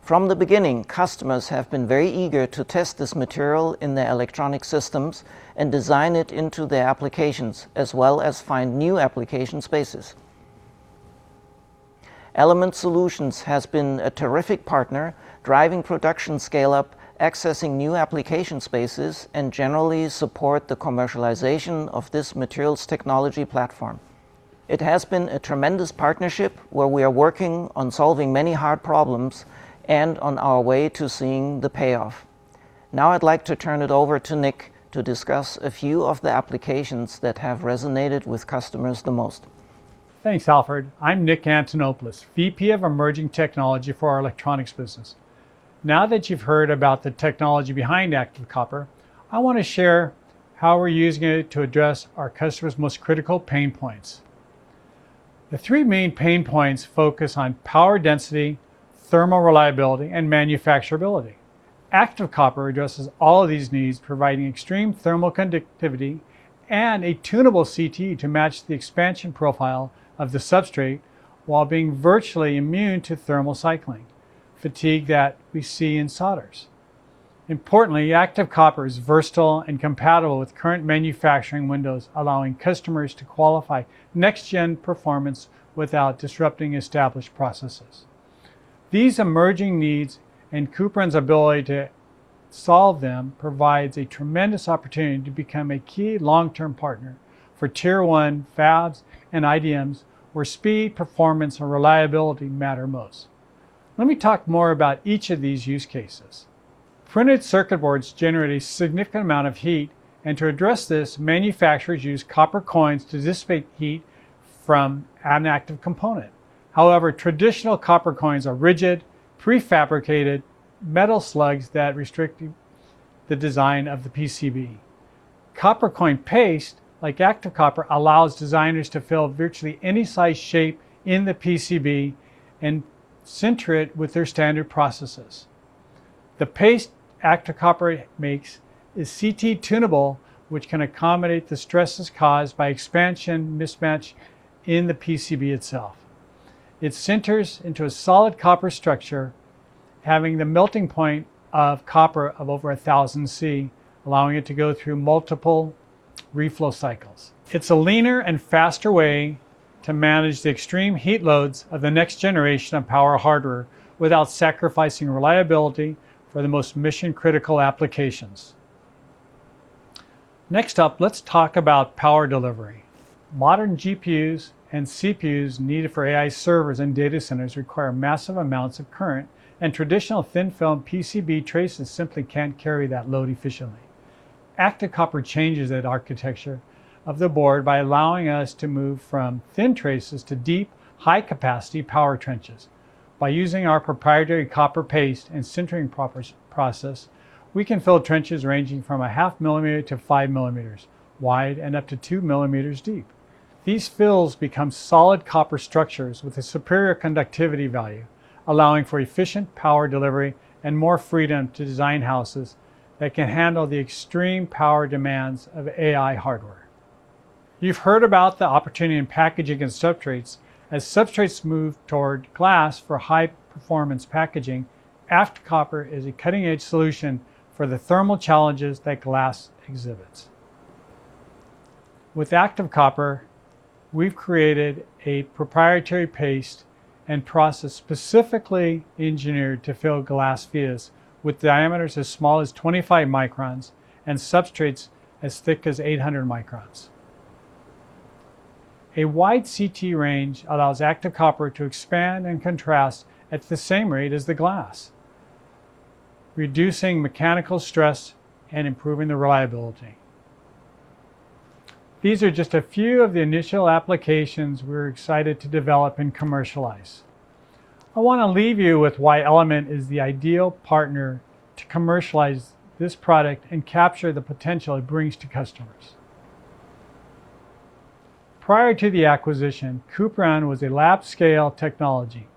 S7: From the beginning, customers have been very eager to test this material in their electronic systems and design it into their applications as well as find new application spaces. Element Solutions has been a terrific partner, driving production scale-up, accessing new application spaces, and generally support the commercialization of this materials technology platform. It has been a tremendous partnership where we are working on solving many hard problems and on our way to seeing the payoff. Now I'd like to turn it over to Nick to discuss a few of the applications that have resonated with customers the most.
S8: Thanks, Alfred. I'm Nick Antonopoulos, VP of Emerging Technology for our electronics business. Now that you've heard about the technology behind ActiveCopper, I want to share how we're using it to address our customers' most critical pain points. The 3 main pain points focus on power density, thermal reliability, and manufacturability. ActiveCopper addresses all of these needs, providing extreme thermal conductivity and a tunable CTE to match the expansion profile of the substrate while being virtually immune to thermal cycling, fatigue that we see in solders. Importantly, ActiveCopper is versatile and compatible with current manufacturing windows, allowing customers to qualify next gen performance without disrupting established processes. These emerging needs and Kuprion's ability to solve them provides a tremendous opportunity to become a key long-term partner for tier 1 fabs and IDMs where speed, performance, and reliability matter most. Let me talk more about each of these use cases. printed circuit boards generate a significant amount of heat, and to address this, manufacturers use copper coins to dissipate heat from an active component. However, traditional copper coins are rigid, prefabricated metal slugs that restrict the design of the PCB. Copper coin paste, like ActiveCopper, allows designers to fill virtually any size, shape in the PCB and sinter it with their standard processes. The paste ActiveCopper makes is CTE tunable, which can accommodate the stresses caused by expansion mismatch in the PCB itself. It sinters into a solid copper structure, having the melting point of copper of over 1,000 degrees Celsius, allowing it to go through multiple reflow cycles. It's a leaner and faster way to manage the extreme heat loads of the next generation of power hardware without sacrificing reliability for the most mission critical applications. Next up, let's talk about power delivery. Modern GPUs and CPUs needed for AI servers and data centers require massive amounts of current, and traditional thin film PCB traces simply can't carry that load efficiently. ActiveCopper changes that architecture of the board by allowing us to move from thin traces to deep, high capacity power trenches. By using our proprietary copper paste and sintering process, we can fill trenches ranging from a half millimeter to five millimeters wide and up to two millimeters deep. These fills become solid copper structures with a superior conductivity value, allowing for efficient power delivery and more freedom to design houses that can handle the extreme power demands of AI hardware. You've heard about the opportunity in packaging and substrates. As substrates move toward glass for high performance packaging, ActiveCopper is a cutting-edge solution for the thermal challenges that glass exhibits. With ActiveCopper, we've created a proprietary paste and process specifically engineered to fill glass vias with diameters as small as 25 microns and substrates as thick as 800 microns. A wide CTE range allows ActiveCopper to expand and contrast at the same rate as the glass, reducing mechanical stress and improving the reliability. These are just a few of the initial applications we're excited to develop and commercialize. I want to leave you with why Element is the ideal partner to commercialize this product and capture the potential it brings to customers. Prior to the acquisition, Kuprion was a lab-scale technology.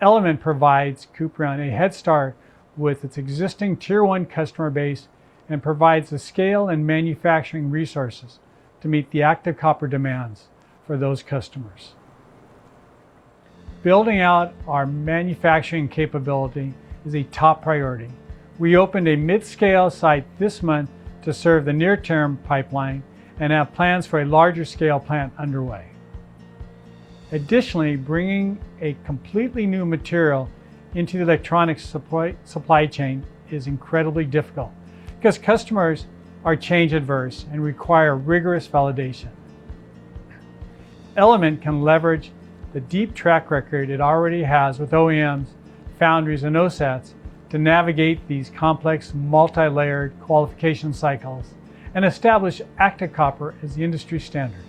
S8: Element provides Kuprion a head start with its existing tier 1 customer base and provides the scale and manufacturing resources to meet the ActiveCopper demands for those customers. Building out our manufacturing capability is a top priority. We opened a mid-scale site this month to serve the near term pipeline and have plans for a larger scale plant underway. Bringing a completely new material into the electronics supply chain is incredibly difficult, 'cause customers are change adverse and require rigorous validation. Element can leverage the deep track record it already has with OEMs, foundries, and OSATs to navigate these complex multi-layered qualification cycles and establish ActiveCopper as the industry standard.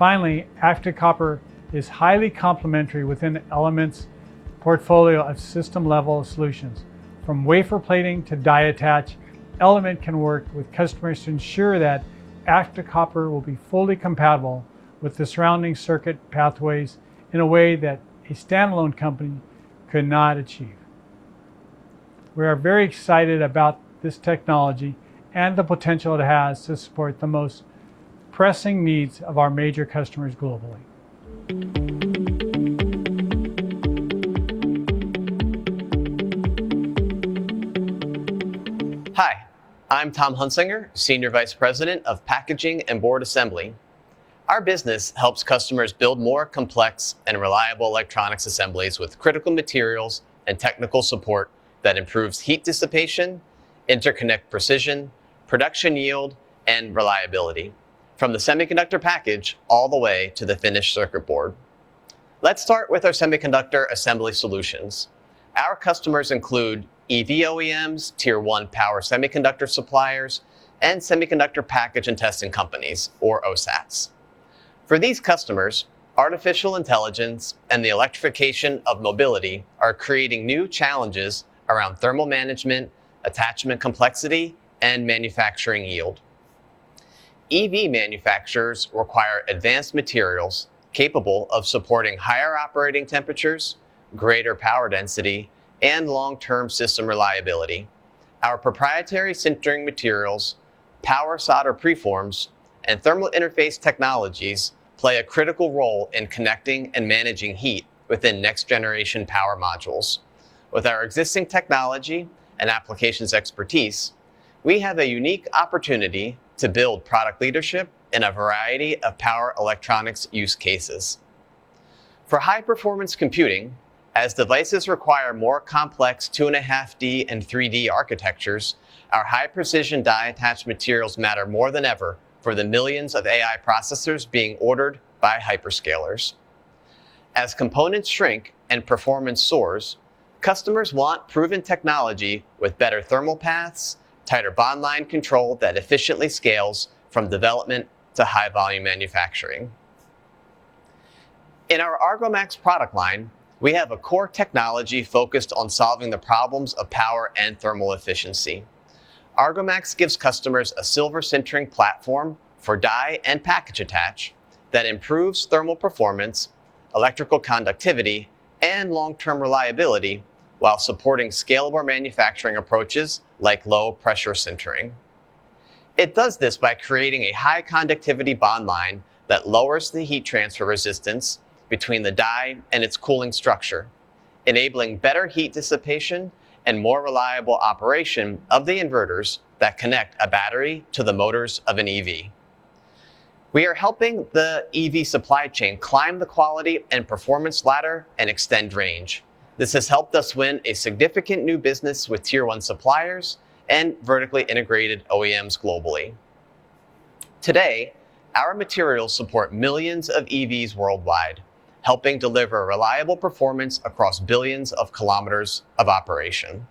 S8: ActiveCopper is highly complementary within Element's portfolio of system level solutions. From wafer plating to die attach, Element can work with customers to ensure that ActiveCopper will be fully compatible with the surrounding circuit pathways in a way that a standalone company could not achieve. We are very excited about this technology and the potential it has to support the most pressing needs of our major customers globally.
S9: Hi, I'm Tom Hunsinger, Senior Vice President of Packaging and Board Assembly. Our business helps customers build more complex and reliable electronics assemblies with critical materials and technical support that improves heat dissipation, interconnect precision, production yield, and reliability from the semiconductor package all the way to the finished circuit board. Let's start with our semiconductor assembly solutions. Our customers include EV OEMs, tier 1 power semiconductor suppliers, and semiconductor package and testing companies, or OSATs. For these customers, artificial intelligence and the electrification of mobility are creating new challenges around thermal management, attachment complexity, and manufacturing yield. EV manufacturers require advanced materials capable of supporting higher operating temperatures, greater power density, and long-term system reliability. Our proprietary sintering materials, power solder preforms, and thermal interface technologies play a critical role in connecting and managing heat within next generation power modules. With our existing technology and applications expertise, we have a unique opportunity to build product leadership in a variety of power electronics use cases. For high performance computing, as devices require more complex 2.5D and 3D architectures, our high precision die attach materials matter more than ever for the millions of AI processors being ordered by hyperscalers. As components shrink and performance soars, customers want proven technology with better thermal paths, tighter bond line control that efficiently scales from development to high volume manufacturing. In our Argomax product line, we have a core technology focused on solving the problems of power and thermal efficiency. Argomax gives customers a silver sintering platform for die and package attach that improves thermal performance, electrical conductivity, and long-term reliability while supporting scalable manufacturing approaches like low pressure sintering. It does this by creating a high conductivity bond line that lowers the heat transfer resistance between the die and its cooling structure, enabling better heat dissipation and more reliable operation of the inverters that connect a battery to the motors of an EV. We are helping the EV supply chain climb the quality and performance ladder and extend range. This has helped us win a significant new business with tier 1 suppliers and vertically integrated OEMs globally. Today, our materials support millions of EVs worldwide, helping deliver reliable performance across billions of kilometers of operation.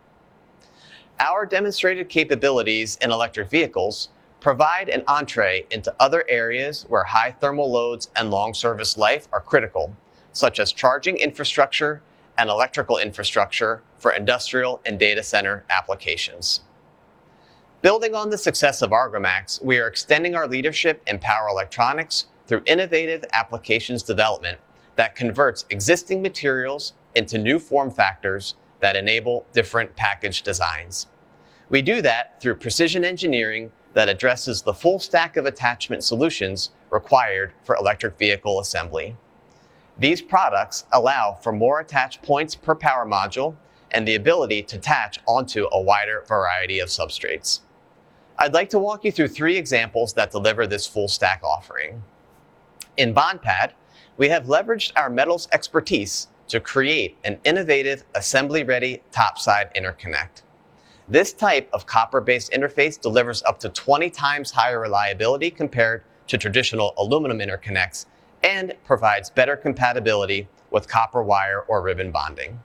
S9: Our demonstrated capabilities in electric vehicles provide an entree into other areas where high thermal loads and long service life are critical, such as charging infrastructure and electrical infrastructure for industrial and data center applications. Building on the success of Argomax, we are extending our leadership in power electronics through innovative applications development that converts existing materials into new form factors that enable different package designs. We do that through precision engineering that addresses the full stack of attachment solutions required for electric vehicle assembly. These products allow for more attach points per power module and the ability to attach onto a wider variety of substrates. I'd like to walk you through three examples that deliver this full stack offering. In BondPad, we have leveraged our metals expertise to create an innovative assembly-ready top side interconnect. This type of copper-based interface delivers up to 20 times higher reliability compared to traditional aluminum interconnects and provides better compatibility with copper wire or ribbon bonding.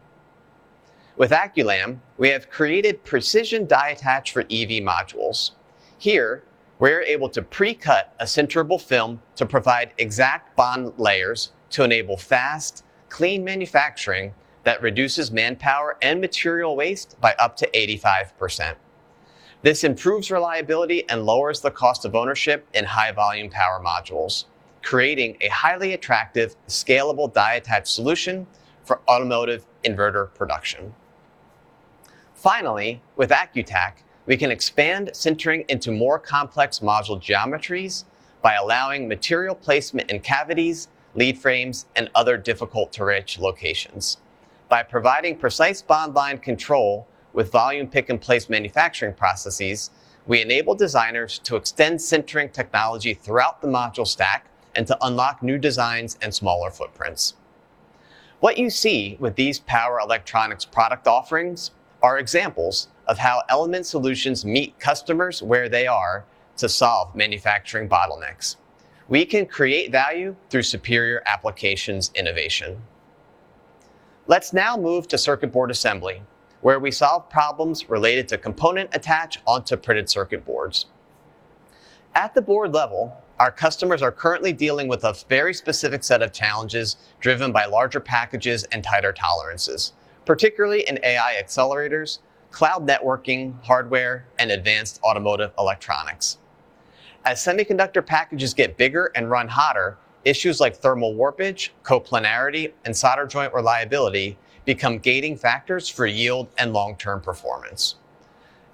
S9: With Acculam, we have created precision die attach for EV modules. Here, we're able to pre-cut a sinterable film to provide exact bond layers to enable fast, clean manufacturing that reduces manpower and material waste by up to 85%. This improves reliability and lowers the cost of ownership in high volume power modules, creating a highly attractive, scalable die attach solution for automotive inverter production. Finally, with Accutac, we can expand sintering into more complex module geometries by allowing material placement in cavities, lead frames, and other difficult to reach locations. By providing precise bond line control with volume pick and place manufacturing processes, we enable designers to extend sintering technology throughout the module stack and to unlock new designs and smaller footprints. What you see with these power electronics product offerings are examples of how Element Solutions meet customers where they are to solve manufacturing bottlenecks. We can create value through superior applications innovation. Let's now move to circuit board assembly, where we solve problems related to component attach onto printed circuit boards. At the board level, our customers are currently dealing with a very specific set of challenges driven by larger packages and tighter tolerances, particularly in AI accelerators, cloud networking hardware, and advanced automotive electronics. As semiconductor packages get bigger and run hotter, issues like thermal warpage, coplanarity, and solder joint reliability become gating factors for yield and long-term performance.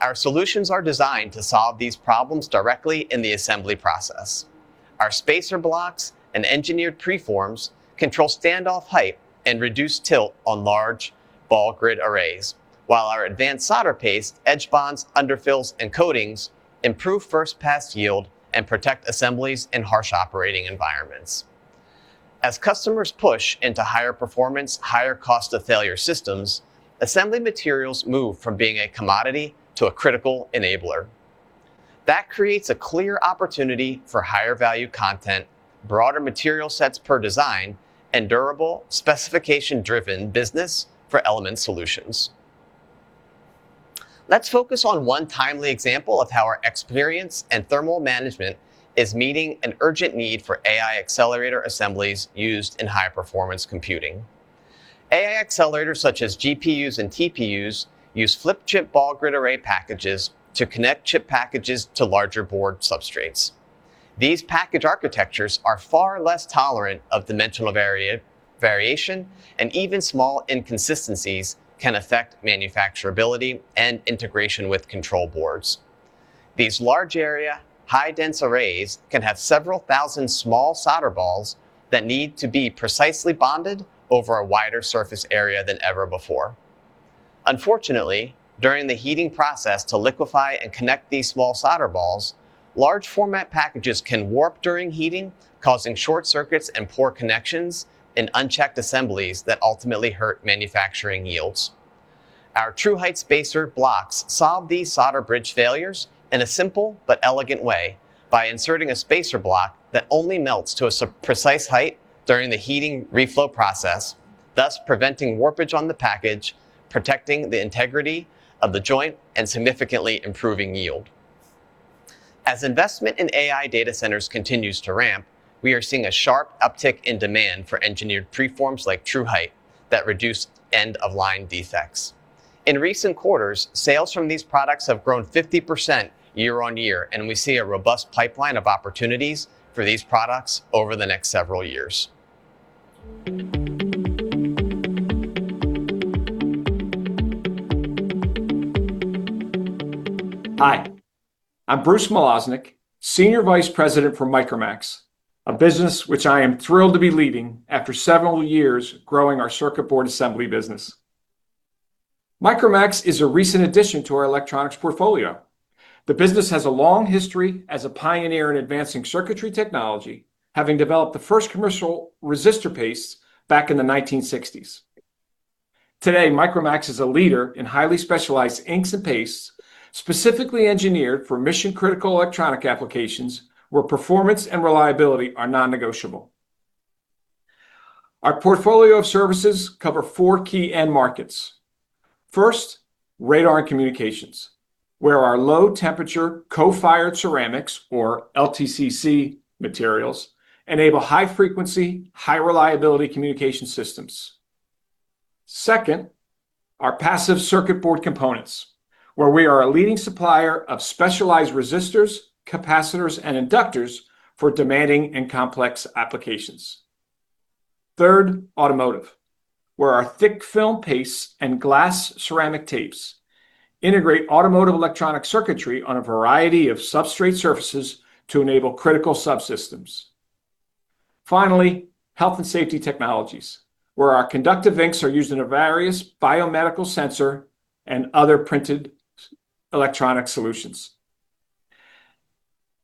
S9: Our solutions are designed to solve these problems directly in the assembly process. Our spacer blocks and engineered preforms control standoff height and reduce tilt on large ball grid arrays, while our advanced solder paste, edge bonds, underfills, and coatings improve first pass yield and protect assemblies in harsh operating environments. As customers push into higher performance, higher cost of failure systems, assembly materials move from being a commodity to a critical enabler. That creates a clear opportunity for higher value content, broader material sets per design, and durable, specification-driven business for Element Solutions. Let's focus on one timely example of how our experience and thermal management is meeting an urgent need for AI accelerator assemblies used in high-performance computing. AI accelerators such as GPUs and TPUs use flip chip ball grid array packages to connect chip packages to larger board substrates. These package architectures are far less tolerant of dimensional variation, and even small inconsistencies can affect manufacturability and integration with control boards. These large area, high-dense arrays can have several thousand small solder balls that need to be precisely bonded over a wider surface area than ever before. Unfortunately, during the heating process to liquefy and connect these small solder balls, large format packages can warp during heating, causing short circuits and poor connections in unchecked assemblies that ultimately hurt manufacturing yields. Our TrueHeight spacer blocks solve these solder bridge failures in a simple but elegant way by inserting a spacer block that only melts to a precise height during the heating reflow process, thus preventing warpage on the package, protecting the integrity of the joint, and significantly improving yield. As investment in AI data centers continues to ramp, we are seeing a sharp uptick in demand for engineered preforms like TruHeight that reduce end-of-line defects. In recent quarters, sales from these products have grown 50% year-on-year. We see a robust pipeline of opportunities for these products over the next several years.
S10: Hi, I'm Bruce Moloznik, Senior Vice President for Micromax, a business which I am thrilled to be leading after several years growing our circuit board assembly business. Micromax is a recent addition to our electronics portfolio. The business has a long history as a pioneer in advancing circuitry technology, having developed the first commercial resistor paste back in the 1960s. Today, Micromax is a leader in highly specialized inks and pastes, specifically engineered for mission-critical electronic applications where performance and reliability are non-negotiable. Our portfolio of services cover four key end markets. First, radar and communications, where our low temperature co-fired ceramics or LTCC materials enable high frequency, high reliability communication systems. Second, our passive circuit board components, where we are a leading supplier of specialized resistors, capacitors, and inductors for demanding and complex applications. Third, automotive, where our thick film paste and glass ceramic tapes integrate automotive electronic circuitry on a variety of substrate surfaces to enable critical subsystems. Finally, health and safety technologies, where our conductive inks are used in various biomedical sensor and other printed electronic solutions.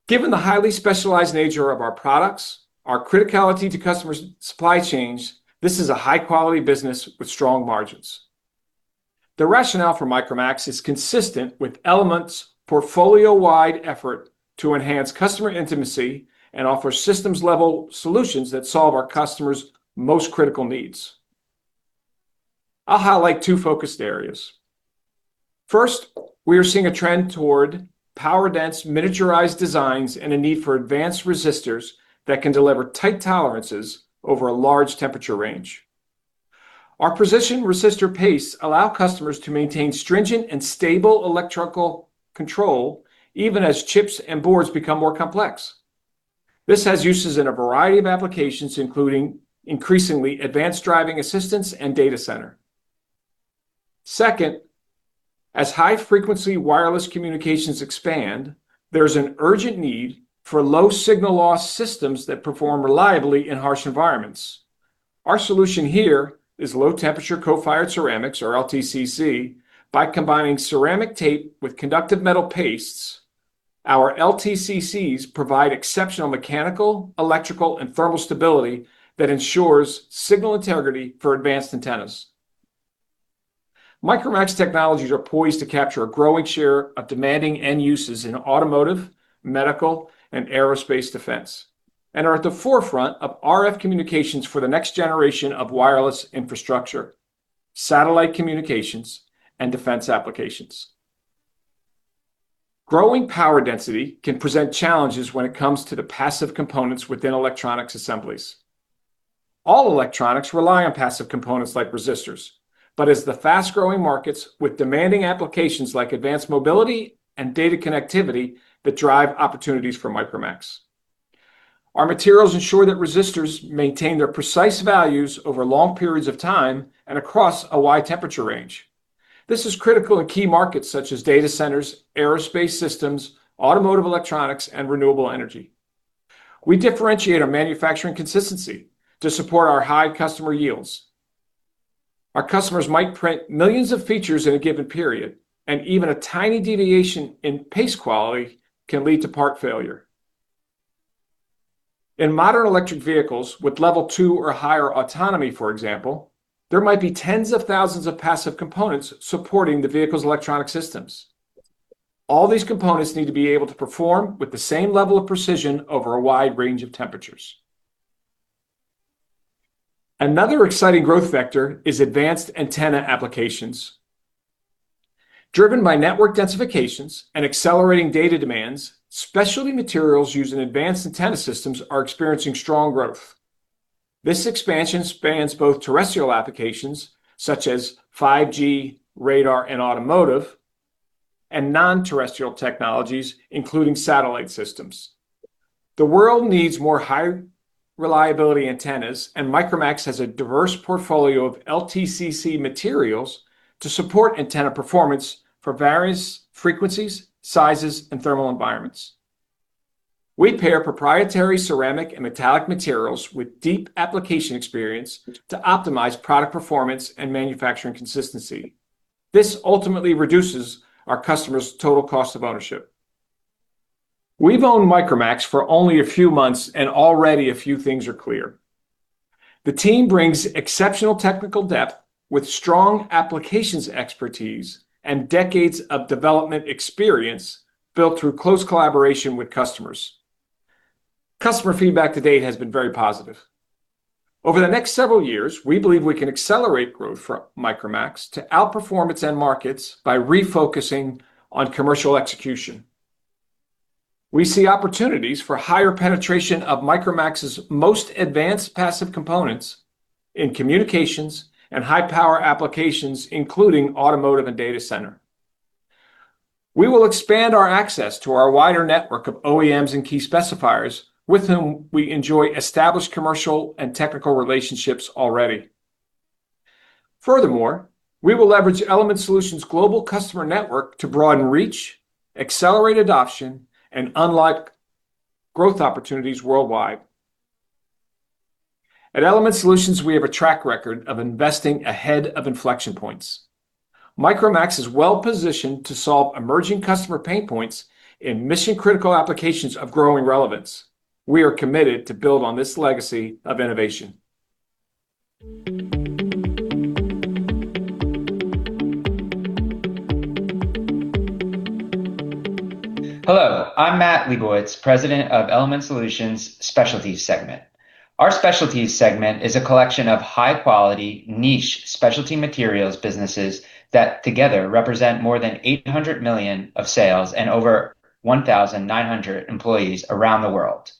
S10: Given the highly specialized nature of our products, our criticality to customers' supply chains, this is a high-quality business with strong margins. The rationale for Micromax is consistent with Element's portfolio-wide effort to enhance customer intimacy and offer systems-level solutions that solve our customers' most critical needs. I'll highlight two focused areas. First, we are seeing a trend toward power-dense miniaturized designs and a need for advanced resistors that can deliver tight tolerances over a large temperature range. Our precision resistor pastes allow customers to maintain stringent and stable electrical control even as chips and boards become more complex. This has uses in a variety of applications, including increasingly advanced driving assistance and data center. Second, as high-frequency wireless communications expand, there's an urgent need for low signal loss systems that perform reliably in harsh environments. Our solution here is low temperature co-fired ceramics or LTCC. By combining ceramic tape with conductive metal pastes, our LTCCs provide exceptional mechanical, electrical, and thermal stability that ensures signal integrity for advanced antennas. Micromax technologies are poised to capture a growing share of demanding end uses in automotive, medical, and aerospace defense, and are at the forefront of RF communications for the next generation of wireless infrastructure, satellite communications, and defense applications. Growing power density can present challenges when it comes to the passive components within electronics assemblies. All electronics rely on passive components like resistors. It's the fast-growing markets with demanding applications like advanced mobility and data connectivity that drive opportunities for Micromax. Our materials ensure that resistors maintain their precise values over long periods of time and across a wide temperature range. This is critical in key markets such as data centers, aerospace systems, automotive electronics, and renewable energy. We differentiate our manufacturing consistency to support our high customer yields. Our customers might print millions of features in a given period. Even a tiny deviation in paste quality can lead to part failure. In modern electric vehicles with level two or higher autonomy, for example, there might be tens of thousands of passive components supporting the vehicle's electronic systems. All these components need to be able to perform with the same level of precision over a wide range of temperatures. Another exciting growth vector is advanced antenna applications. Driven by network densifications and accelerating data demands, specialty materials used in advanced antenna systems are experiencing strong growth. This expansion spans both terrestrial applications, such as 5G, radar, and automotive, and non-terrestrial technologies, including satellite systems. The world needs more high-reliability antennas, and Micromax has a diverse portfolio of LTCC materials to support antenna performance for various frequencies, sizes, and thermal environments. We pair proprietary ceramic and metallic materials with deep application experience to optimize product performance and manufacturing consistency. This ultimately reduces our customers' total cost of ownership. We've owned Micromax for only a few months, and already a few things are clear. The team brings exceptional technical depth with strong applications expertise and decades of development experience built through close collaboration with customers. Customer feedback to date has been very positive. Over the next several years, we believe we can accelerate growth from Micromax to outperformance end markets by refocusing on commercial execution. We see opportunities for higher penetration of Micromax's most advanced passive components in communications and high-power applications, including automotive and data center. We will expand our access to our wider network of OEMs and key specifiers with whom we enjoy established commercial and technical relationships already. Furthermore, we will leverage Element Solutions' global customer network to broaden reach, accelerate adoption, and unlock growth opportunities worldwide. At Element Solutions, we have a track record of investing ahead of inflection points. Micromax is well-positioned to solve emerging customer pain points in mission-critical applications of growing relevance. We are committed to build on this legacy of innovation.
S11: Hello, I'm Matt Liebowitz, President of Element Solutions Specialties segment. Our Specialties segment is a collection of high quality, niche specialty materials businesses that together represent more than $800 million of sales and over 1,900 employees around the world.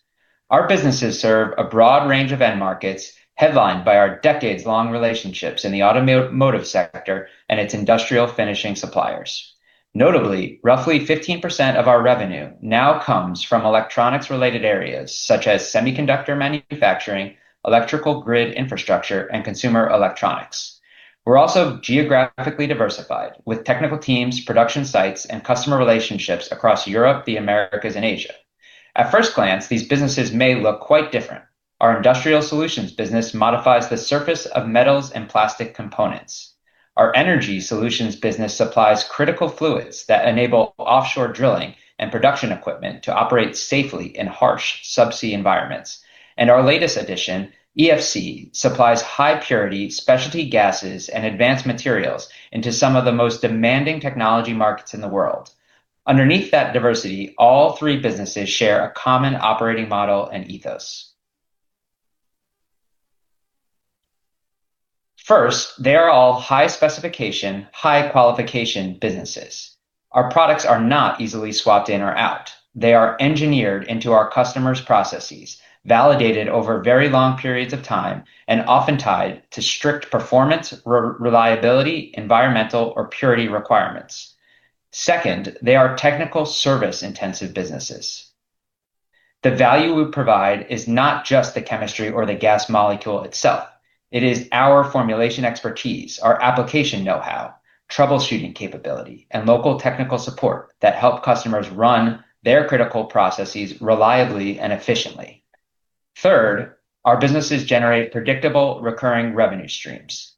S11: Our businesses serve a broad range of end markets, headlined by our decades long relationships in the automotive sector and its industrial finishing suppliers. Notably, roughly 15% of our revenue now comes from electronics related areas such as semiconductor manufacturing, electrical grid infrastructure, and consumer electronics. We're also geographically diversified with technical teams, production sites, and customer relationships across Europe, the Americas, and Asia. At first glance, these businesses may look quite different. Our Industrial Solutions business modifies the surface of metals and plastic components. Our Energy Solutions business supplies critical fluids that enable offshore drilling and production equipment to operate safely in harsh sub-sea environments. Our latest addition, EFC, supplies high purity specialty gases and advanced materials into some of the most demanding technology markets in the world. Underneath that diversity, all three businesses share a common operating model and ethos. First, they are all high specification, high qualification businesses. Our products are not easily swapped in or out. They are engineered into our customers' processes, validated over very long periods of time, and often tied to strict performance, reliability, environmental, or purity requirements. Second, they are technical service intensive businesses. The value we provide is not just the chemistry or the gas molecule itself, it is our formulation expertise, our application know-how, troubleshooting capability, and local technical support that help customers run their critical processes reliably and efficiently. Third, our businesses generate predictable recurring revenue streams.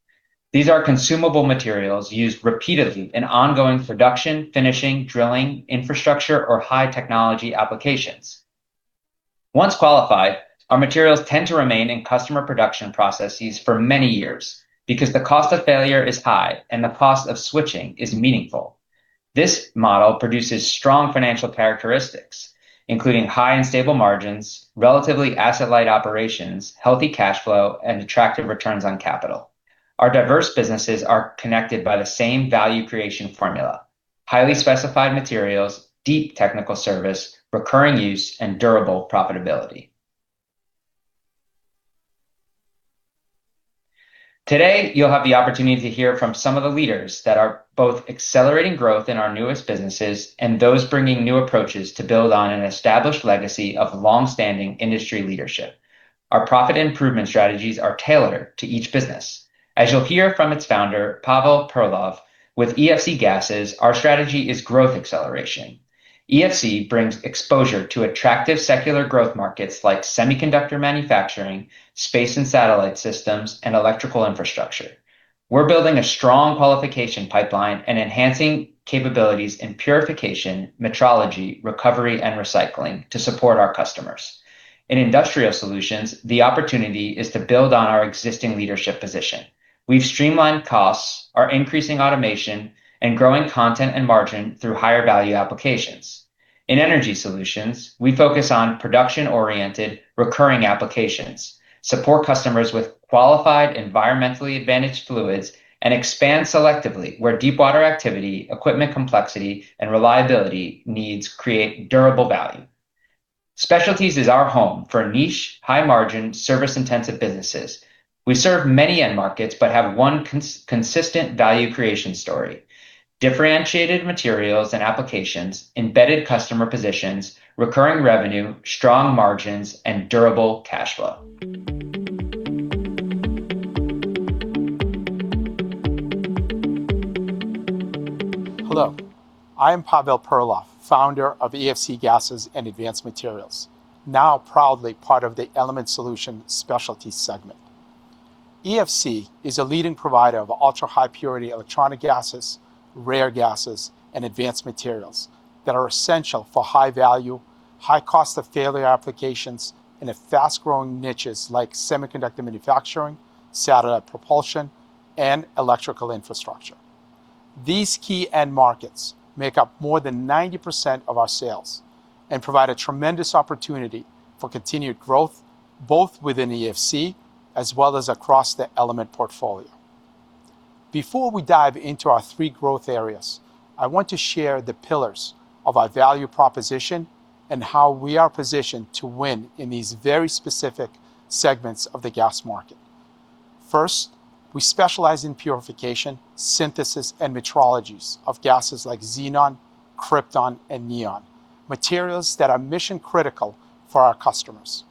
S11: These are consumable materials used repeatedly in ongoing production, finishing, drilling, infrastructure, or high technology applications. Once qualified, our materials tend to remain in customer production processes for many years because the cost of failure is high and the cost of switching is meaningful. This model produces strong financial characteristics, including high and stable margins, relatively asset light operations, healthy cashflow, and attractive returns on capital. Our diverse businesses are connected by the same value creation formula: highly specified materials, deep technical service, recurring use, and durable profitability. Today, you'll have the opportunity to hear from some of the leaders that are both accelerating growth in our newest businesses and those bringing new approaches to build on an established legacy of long-standing industry leadership. Our profit improvement strategies are tailored to each business. As you'll hear from its founder, Pavel Perlov, with EFC Gases, our strategy is growth acceleration. EFC brings exposure to attractive secular growth markets like semiconductor manufacturing, space and satellite systems, and electrical infrastructure. We're building a strong qualification pipeline and enhancing capabilities in purification, metrology, recovery, and recycling to support our customers. In Industrial Solutions, the opportunity is to build on our existing leadership position. We've streamlined costs, are increasing automation, and growing content and margin through higher value applications. In Energy Solutions, we focus on production oriented recurring applications, support customers with qualified environmentally advantaged fluids, and expand selectively where deep water activity, equipment complexity, and reliability needs create durable value. Specialties is our home for niche, high margin, service intensive businesses. We serve many end markets, but have 1 consistent value creation story, differentiated materials and applications, embedded customer positions, recurring revenue, strong margins, and durable cash flow.
S12: Hello, I'm Pavel Perlov, founder of EFC Gases and Advanced Materials, now proudly part of the Element Solutions Specialty segment. EFC is a leading provider of ultra-high purity electronic gases, rare gases, and advanced materials that are essential for high value, high cost of failure applications in the fast-growing niches like semiconductor manufacturing, satellite propulsion, and electrical infrastructure. These key end markets make up more than 90% of our sales and provide a tremendous opportunity for continued growth, both within EFC as well as across the Element portfolio. Before we dive into our three growth areas, I want to share the pillars of our value proposition and how we are positioned to win in these very specific segments of the gas market. First, we specialize in purification, synthesis, and metrologies of gases like xenon, krypton, and neon, materials that are mission critical for our customers.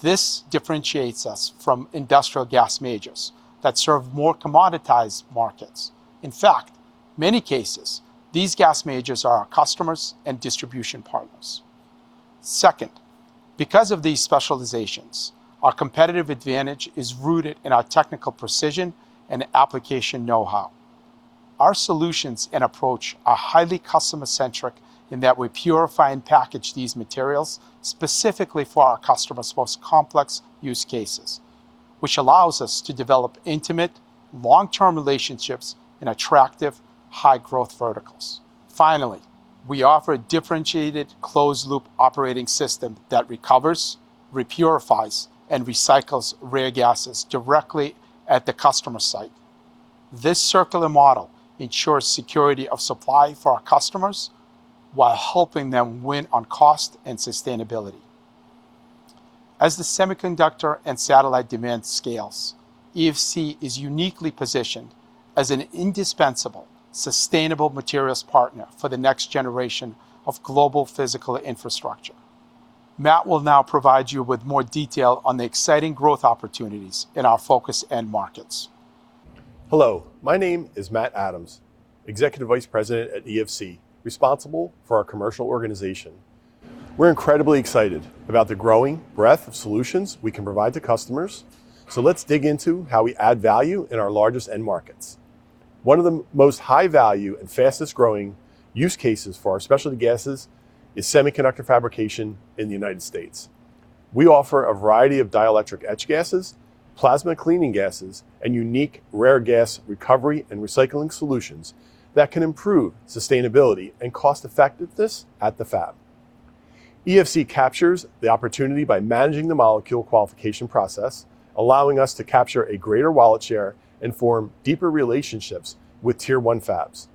S12: This differentiates us from industrial gas majors that serve more commoditized markets. In fact, many cases, these gas majors are our customers and distribution partners. Second, because of these specializations, our competitive advantage is rooted in our technical precision and application know-how. Our solutions and approach are highly customer-centric in that we purify and package these materials specifically for our customers' most complex use cases, which allows us to develop intimate, long-term relationships in attractive, high-growth verticals. Finally, we offer a differentiated closed-loop operating system that recovers, repurifies, and recycles rare gases directly at the customer site. This circular model ensures security of supply for our customers while helping them win on cost and sustainability. As the semiconductor and satellite demand scales, EFC is uniquely positioned as an indispensable, sustainable materials partner for the next generation of global physical infrastructure. Matt will now provide you with more detail on the exciting growth opportunities in our focus end markets.
S13: Hello, my name is Matt Adams, Executive Vice President at EFC, responsible for our commercial organization. We're incredibly excited about the growing breadth of solutions we can provide to customers, so let's dig into how we add value in our largest end markets. One of the most high-value and fastest-growing use cases for our specialty gases is semiconductor fabrication in the United States. We offer a variety of dielectric etch gases, plasma cleaning gases, and unique rare gas recovery and recycling solutions that can improve sustainability and cost effectiveness at the fab. EFC captures the opportunity by managing the molecule qualification process, allowing us to capture a greater wallet share and form deeper relationships with tier 1 fabs.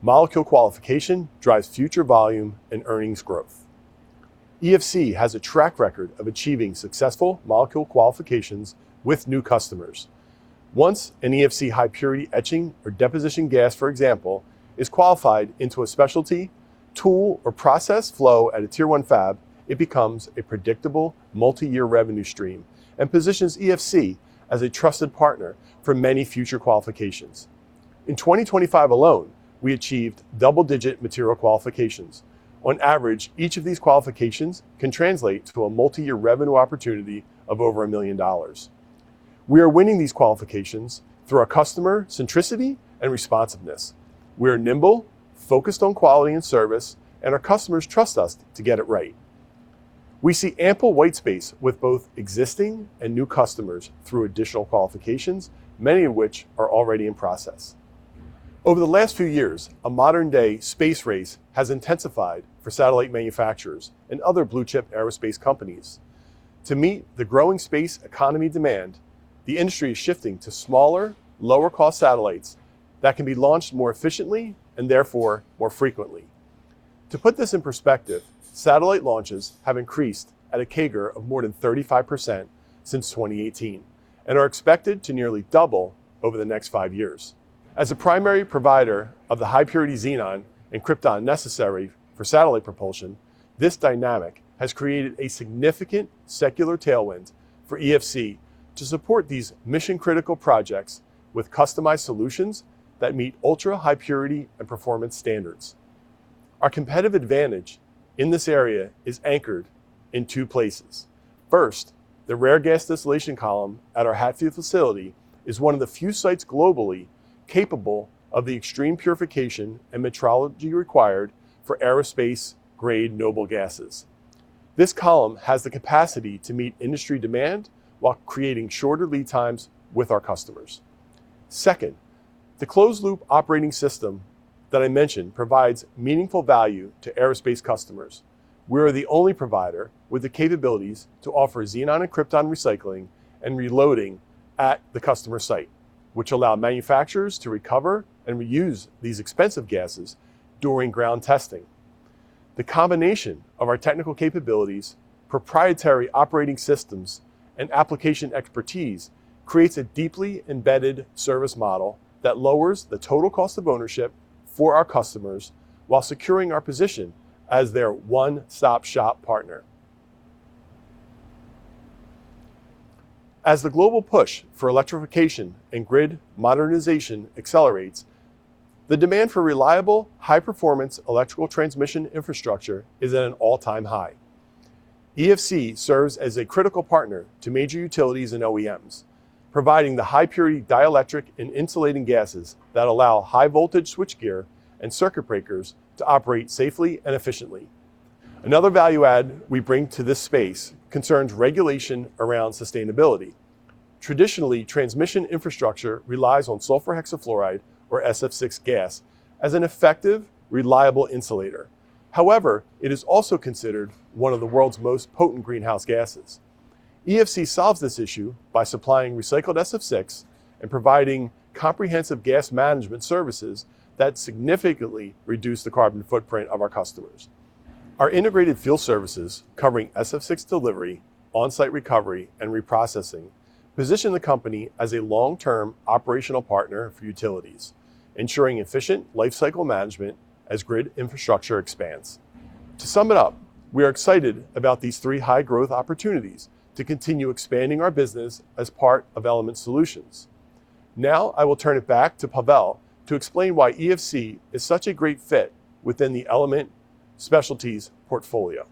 S13: Molecule qualification drives future volume and earnings growth. EFC has a track record of achieving successful molecule qualifications with new customers. Once an EFC high purity etching or deposition gas, for example, is qualified into a specialty tool or process flow at a tier 1 fab, it becomes a predictable multi-year revenue stream and positions EFC as a trusted partner for many future qualifications. In 2025 alone, we achieved double-digit material qualifications. On average, each of these qualifications can translate to a multi-year revenue opportunity of over $1 million. We are winning these qualifications through our customer centricity and responsiveness. We are nimble, focused on quality and service, and our customers trust us to get it right. We see ample white space with both existing and new customers through additional qualifications, many of which are already in process. Over the last few years, a modern-day space race has intensified for satellite manufacturers and other blue-chip aerospace companies. To meet the growing space economy demand, the industry is shifting to smaller, lower-cost satellites that can be launched more efficiently and therefore more frequently. To put this in perspective, satellite launches have increased at a CAGR of more than 35% since 2018 and are expected to nearly double over the next five years. As a primary provider of the high purity xenon and krypton necessary for satellite propulsion, this dynamic has created a significant secular tailwind for EFC to support these mission-critical projects with customized solutions that meet ultra-high purity and performance standards. Our competitive advantage in this area is anchored in two places. First, the rare gas distillation column at our Hatfield facility is one of the few sites globally capable of the extreme purification and metrology required for aerospace-grade noble gases. This column has the capacity to meet industry demand while creating shorter lead times with our customers. Second, the closed-loop operating system that I mentioned provides meaningful value to aerospace customers. We are the only provider with the capabilities to offer xenon and krypton recycling and reloading at the customer site, which allow manufacturers to recover and reuse these expensive gases during ground testing. The combination of our technical capabilities, proprietary operating systems, and application expertise creates a deeply embedded service model that lowers the total cost of ownership for our customers while securing our position as their one-stop-shop partner. As the global push for electrification and grid modernization accelerates, the demand for reliable, high-performance electrical transmission infrastructure is at an all-time high. EFC serves as a critical partner to major utilities and OEMs, providing the high-purity dielectric and insulating gases that allow high-voltage switchgear and circuit breakers to operate safely and efficiently. Another value add we bring to this space concerns regulation around sustainability. Traditionally, transmission infrastructure relies on sulfur hexafluoride, or SF6 gas, as an effective, reliable insulator. It is also considered one of the world's most potent greenhouse gases. EFC solves this issue by supplying recycled SF6 and providing comprehensive gas management services that significantly reduce the carbon footprint of our customers. Our integrated field services covering SF6 delivery, on-site recovery, and reprocessing position the company as a long-term operational partner for utilities, ensuring efficient lifecycle management as grid infrastructure expands. To sum it up, we are excited about these three high growth opportunities to continue expanding our business as part of Element Solutions. Now, I will turn it back to Pavel to explain why EFC is such a great fit within the Element Specialties portfolio.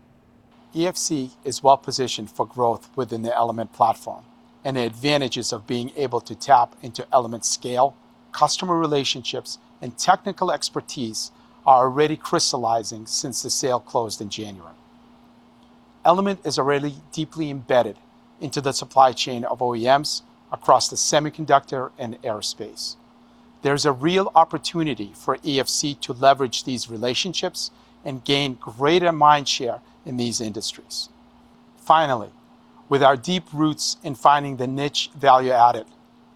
S12: EFC is well positioned for growth within the Element platform, the advantages of being able to tap into Element's scale, customer relationships, and technical expertise are already crystallizing since the sale closed in January. Element is already deeply embedded into the supply chain of OEMs across the semiconductor and aerospace. There's a real opportunity for EFC to leverage these relationships and gain greater mind share in these industries. Finally, with our deep roots in finding the niche value-added,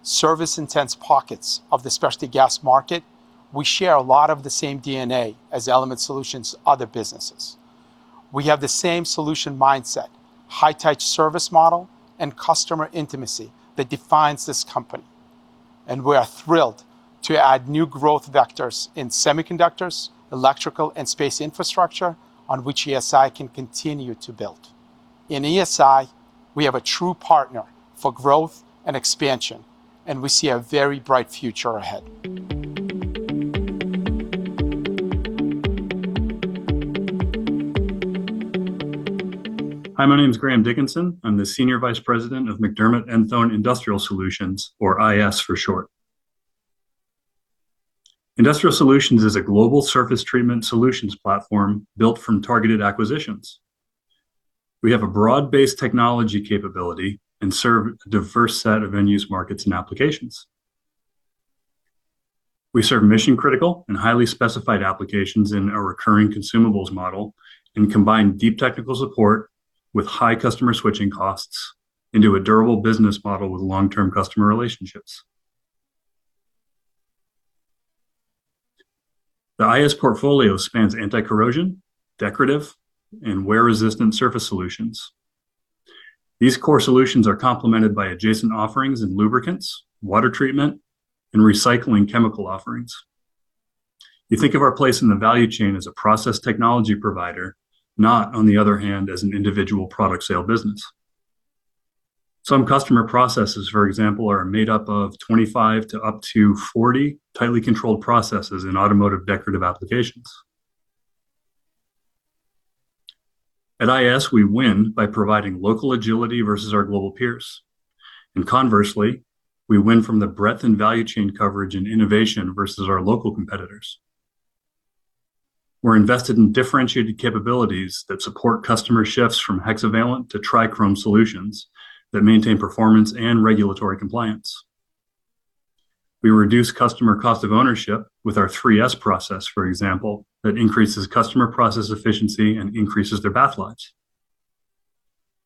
S12: service intense pockets of the specialty gas market, we share a lot of the same DNA as Element Solutions' other businesses. We have the same solution mindset, high-touch service model, and customer intimacy that defines this company, we are thrilled to add new growth vectors in semiconductors, electrical, and space infrastructure on which ESI can continue to build. In ESI, we have a true partner for growth and expansion. We see a very bright future ahead.
S14: Hi, my name's Graeme Dickinson. I'm the Senior Vice President of MacDermid Enthone Industrial Solutions, or IS for short. Industrial Solutions is a global surface treatment solutions platform built from targeted acquisitions. We have a broad-based technology capability and serve a diverse set of end use markets and applications. We serve mission-critical and highly specified applications in a recurring consumables model, and combine deep technical support with high customer switching costs into a durable business model with long-term customer relationships. The IS portfolio spans anti-corrosion, decorative, and wear-resistant surface solutions. These core solutions are complemented by adjacent offerings in lubricants, water treatment, and recycling chemical offerings. We think of our place in the value chain as a process technology provider, not, on the other hand, as an individual product sale business. Some customer processes, for example, are made up of 25 to up to 40 tightly controlled processes in automotive decorative applications. At ESI, we win by providing local agility versus our global peers. Conversely, we win from the breadth and value chain coverage and innovation versus our local competitors. We're invested in differentiated capabilities that support customer shifts from hexavalent to trichrome solutions that maintain performance and regulatory compliance. We reduce customer cost of ownership with our three S process, for example, that increases customer process efficiency and increases their bath lives.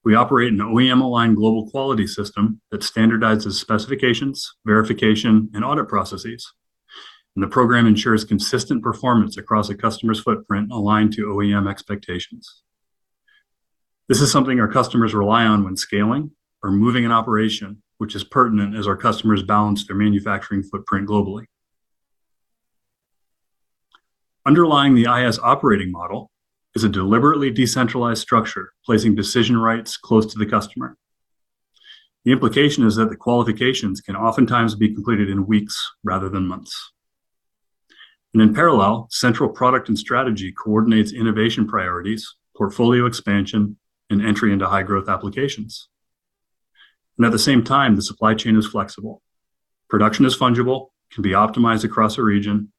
S14: We operate an OEM-aligned global quality system that standardizes specifications, verification, and audit processes. The program ensures consistent performance across a customer's footprint aligned to OEM expectations. This is something our customers rely on when scaling or moving an operation, which is pertinent as our customers balance their manufacturing footprint globally. Underlying the Industrial & Specialty operating model is a deliberately decentralized structure, placing decision rights close to the customer. The implication is that the qualifications can oftentimes be completed in weeks rather than months. In parallel, central product and strategy coordinates innovation priorities, portfolio expansion, and entry into high growth applications. At the same time, the supply chain is flexible. Production is fungible, can be optimized across a region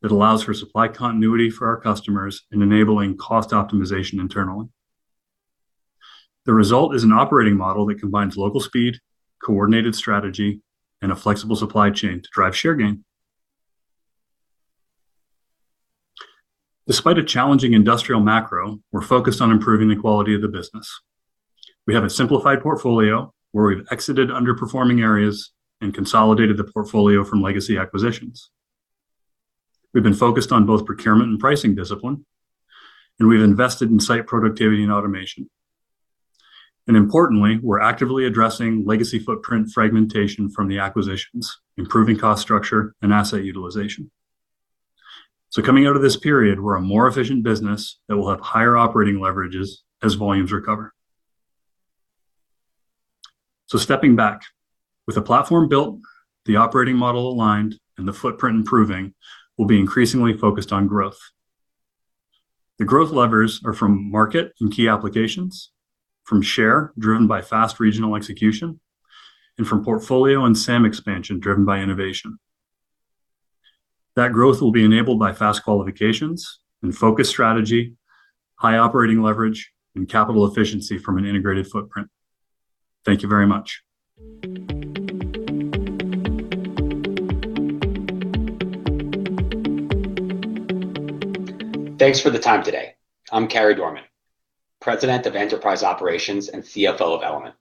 S14: that allows for supply continuity for our customers in enabling cost optimization internally. The result is an operating model that combines local speed, coordinated strategy, and a flexible supply chain to drive share gain. Despite a challenging industrial macro, we're focused on improving the quality of the business. We have a simplified portfolio where we've exited underperforming areas and consolidated the portfolio from legacy acquisitions. We've been focused on both procurement and pricing discipline, and we've invested in site productivity and automation. Importantly, we're actively addressing legacy footprint fragmentation from the acquisitions, improving cost structure and asset utilization. Coming out of this period, we're a more efficient business that will have higher operating leverages as volumes recover. Stepping back, with the platform built, the operating model aligned, and the footprint improving, we'll be increasingly focused on growth. The growth levers are from market and key applications, from share driven by fast regional execution, and from portfolio and SAM expansion driven by innovation. That growth will be enabled by fast qualifications and focused strategy, high operating leverage, and capital efficiency from an integrated footprint. Thank you very much.
S15: Thanks for the time today. I'm Carey Dorman, President of Enterprise Operations and CFO of Element.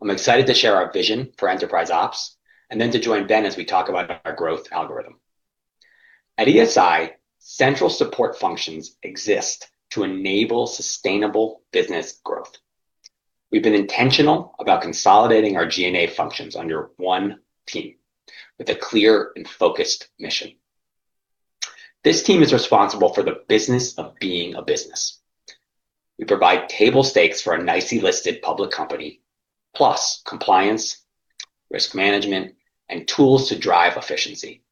S15: I'm excited to share our vision for enterprise ops, and then to join Ben as we talk about our growth algorithm. At ESI, central support functions exist to enable sustainable business growth. We've been intentional about consolidating our G&A functions under one team with a clear and focused mission. This team is responsible for the business of being a business. We provide table stakes for a nicely listed public company, plus compliance, risk management, and tools to drive efficiency.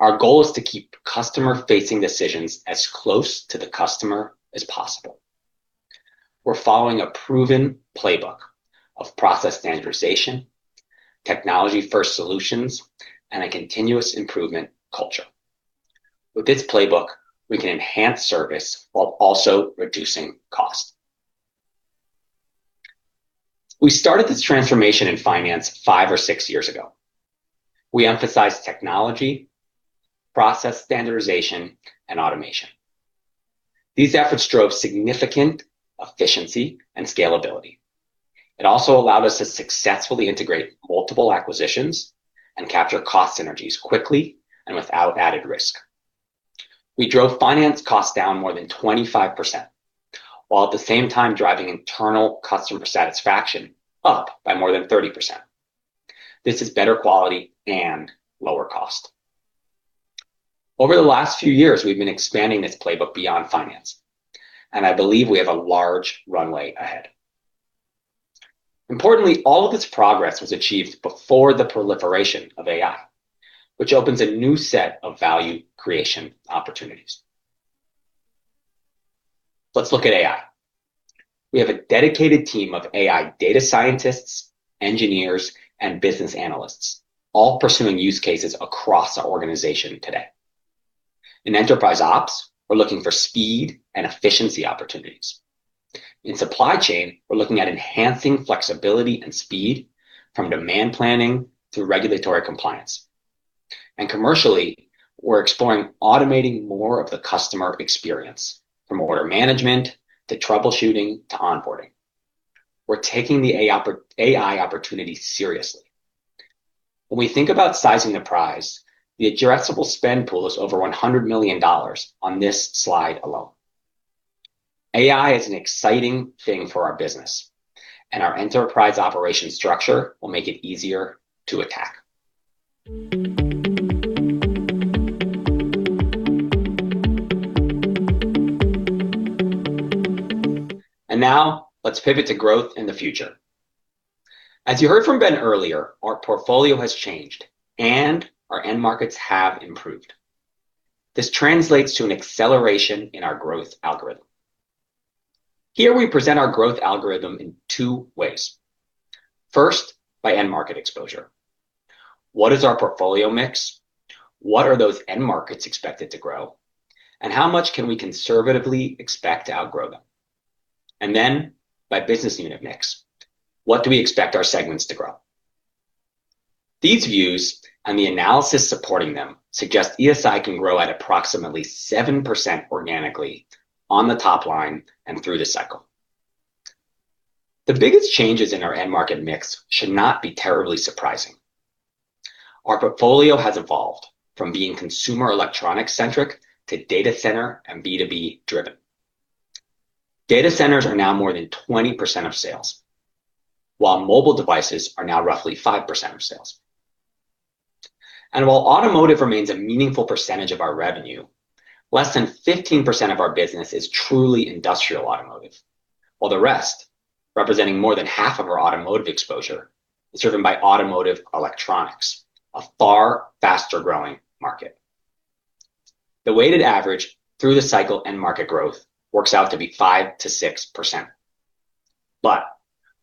S15: Our goal is to keep customer-facing decisions as close to the customer as possible. We're following a proven playbook of process standardization, technology-first solutions, and a continuous improvement culture. With this playbook, we can enhance service while also reducing cost. We started this transformation in finance five or six years ago. We emphasized technology, process standardization, and automation. These efforts drove significant efficiency and scalability. It also allowed us to successfully integrate multiple acquisitions and capture cost synergies quickly and without added risk. We drove finance costs down more than 25%, while at the same time driving internal customer satisfaction up by more than 30%. This is better quality and lower cost. Over the last few years, we've been expanding this playbook beyond finance, and I believe we have a large runway ahead. Importantly, all of this progress was achieved before the proliferation of AI, which opens a new set of value creation opportunities. Let's look at AI. We have a dedicated team of AI data scientists, engineers, and business analysts, all pursuing use cases across our organization today. In Enterprise Operations, we're looking for speed and efficiency opportunities. In supply chain, we're looking at enhancing flexibility and speed from demand planning through regulatory compliance. Commercially, we're exploring automating more of the customer experience from order management to troubleshooting to onboarding. We're taking the AI opportunity seriously. When we think about sizing the prize, the addressable spend pool is over $100 million on this slide alone. AI is an exciting thing for our business. Our Enterprise Operations structure will make it easier to attack. Now let's pivot to growth in the future. As you heard from Ben earlier, our portfolio has changed and our end markets have improved. This translates to an acceleration in our growth algorithm. Here we present our growth algorithm in two ways. First, by end market exposure. What is our portfolio mix? What are those end markets expected to grow? How much can we conservatively expect to outgrow them? Then by business unit mix, what do we expect our segments to grow? These views and the analysis supporting them suggest ESI can grow at approximately 7% organically on the top line and through the cycle. The biggest changes in our end market mix should not be terribly surprising. Our portfolio has evolved from being consumer electronic centric to data center and B2B driven. Data centers are now more than 20% of sales, while mobile devices are now roughly 5% of sales. While automotive remains a meaningful percentage of our revenue, less than 15% of our business is truly industrial automotive, while the rest, representing more than half of our automotive exposure, is driven by automotive electronics, a far faster growing market. The weighted average through the cycle end-market growth works out to be 5% to 6%.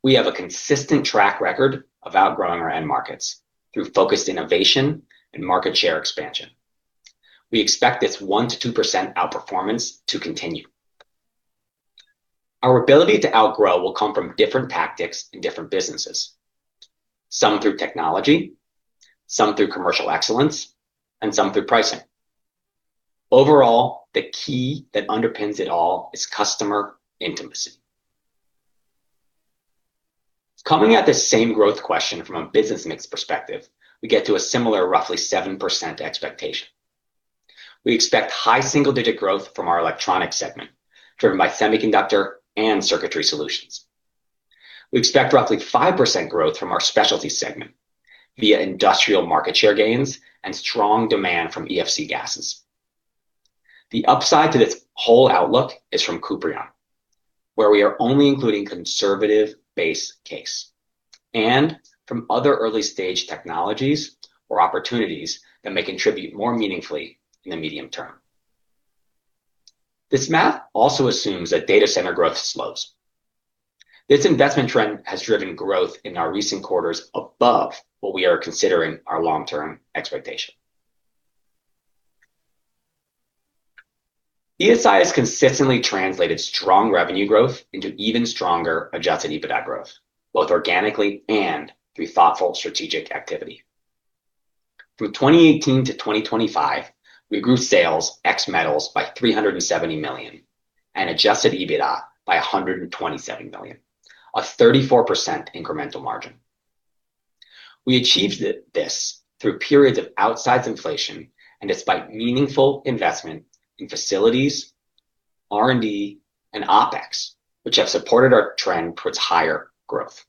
S15: We have a consistent track record of outgrowing our end-markets through focused innovation and market share expansion. We expect this 1% to 2% outperformance to continue. Our ability to outgrow will come from different tactics and different businesses, some through technology, some through commercial excellence, and some through pricing. Overall, the key that underpins it all is customer intimacy. Coming at the same growth question from a business mix perspective, we get to a similar roughly 7% expectation. We expect high single-digit growth from our Electronics segment, driven by Semiconductor and Circuitry Solutions. We expect roughly 5% growth from our Industrial & Specialty segment via industrial market-share gains and strong demand from EFC Gases. The upside to this whole outlook is from Kuprion, where we are only including conservative base case, and from other early stage technologies or opportunities that may contribute more meaningfully in the medium term. This math also assumes that data center growth slows. This investment trend has driven growth in our recent quarters above what we are considering our long-term expectation. ESI has consistently translated strong revenue growth into even stronger adjusted EBITDA growth, both organically and through thoughtful strategic activity. From 2018 to 2025, we grew sales ex metals by $370 million and adjusted EBITDA by $127 million, a 34% incremental margin. We achieved this through periods of outsized inflation and despite meaningful investment in facilities, R&D and OpEx, which have supported our trend towards higher growth.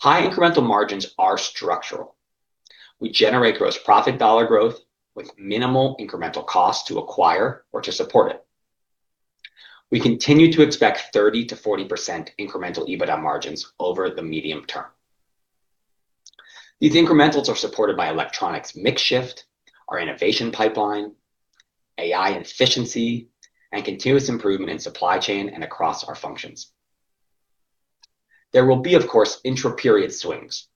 S15: High incremental margins are structural. We generate gross profit dollar growth with minimal incremental costs to acquire or to support it. We continue to expect 30% to 40% incremental EBITDA margins over the medium term. These incrementals are supported by electronics mix shift, our innovation pipeline, AI efficiency and continuous improvement in supply chain and across our functions. There will be, of course, intra-period swings,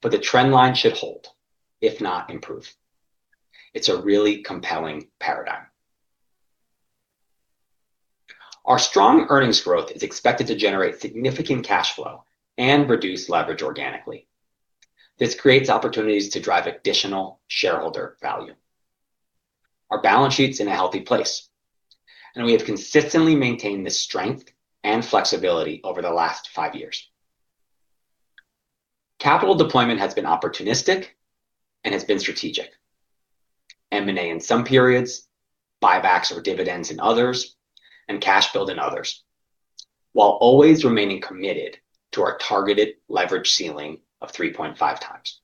S15: but the trend line should hold, if not improve. It's a really compelling paradigm. Our strong earnings growth is expected to generate significant cash flow and reduce leverage organically. This creates opportunities to drive additional shareholder value. Our balance sheet's in a healthy place, and we have consistently maintained the strength and flexibility over the last five years. Capital deployment has been opportunistic and has been strategic. M&A in some periods, buybacks or dividends in others, and cash build in others, while always remaining committed to our targeted leverage ceiling of 3.5 times.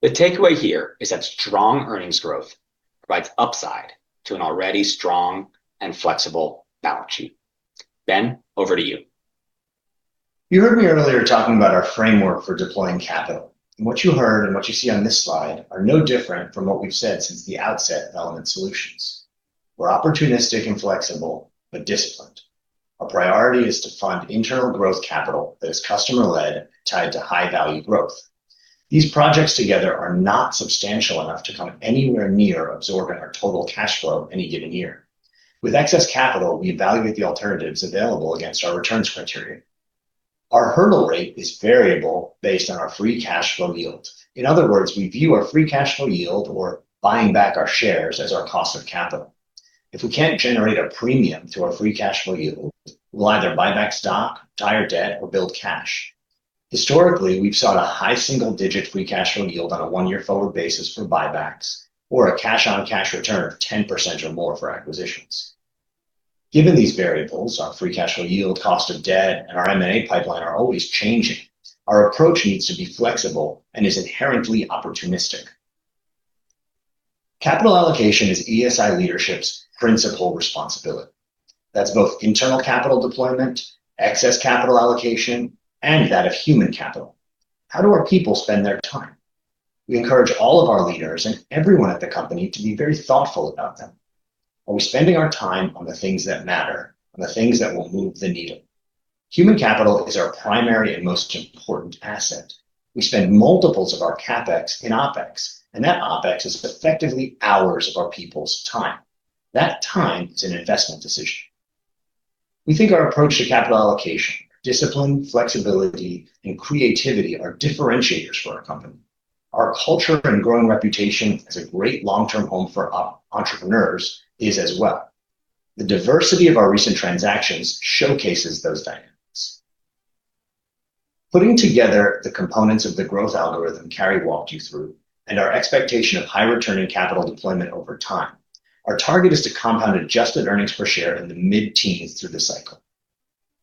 S15: The takeaway here is that strong earnings growth provides upside to an already strong and flexible balance sheet. Ben, over to you.
S4: You heard me earlier talking about our framework for deploying capital, and what you heard and what you see on this slide are no different from what we've said since the outset of Element Solutions. We're opportunistic and flexible, but disciplined. Our priority is to fund internal growth capital that is customer-led, tied to high-value growth. These projects together are not substantial enough to come anywhere near absorbing our total cash flow in any given year. With excess capital, we evaluate the alternatives available against our returns criteria. Our hurdle rate is variable based on our free cash flow yield. In other words, we view our free cash flow yield or buying back our shares as our cost of capital. If we can't generate a premium to our free cash flow yield, we'll either buy back stock, retire debt, or build cash. Historically, we've sought a high single-digit free cash flow yield on a one year forward basis for buybacks or a cash-on-cash return of 10% or more for acquisitions. Given these variables, our free cash flow yield, cost of debt, and our M&A pipeline are always changing. Our approach needs to be flexible and is inherently opportunistic. Capital allocation is ESI leadership's principal responsibility. That's both internal capital deployment, excess capital allocation, and that of human capital. How do our people spend their time? We encourage all of our leaders and everyone at the company to be very thoughtful about them. Are we spending our time on the things that matter, on the things that will move the needle? Human capital is our primary and most important asset. We spend multiples of our CapEx in OpEx, and that OpEx is effectively hours of our people's time. That time is an investment decision. We think our approach to capital allocation, discipline, flexibility and creativity are differentiators for our company. Our culture and growing reputation as a great long-term home for entrepreneurs is as well. The diversity of our recent transactions showcases those dynamics. Putting together the components of the growth algorithm Carey walked you through and our expectation of high returning capital deployment over time, our target is to compound adjusted earnings per share in the mid-teens through the cycle.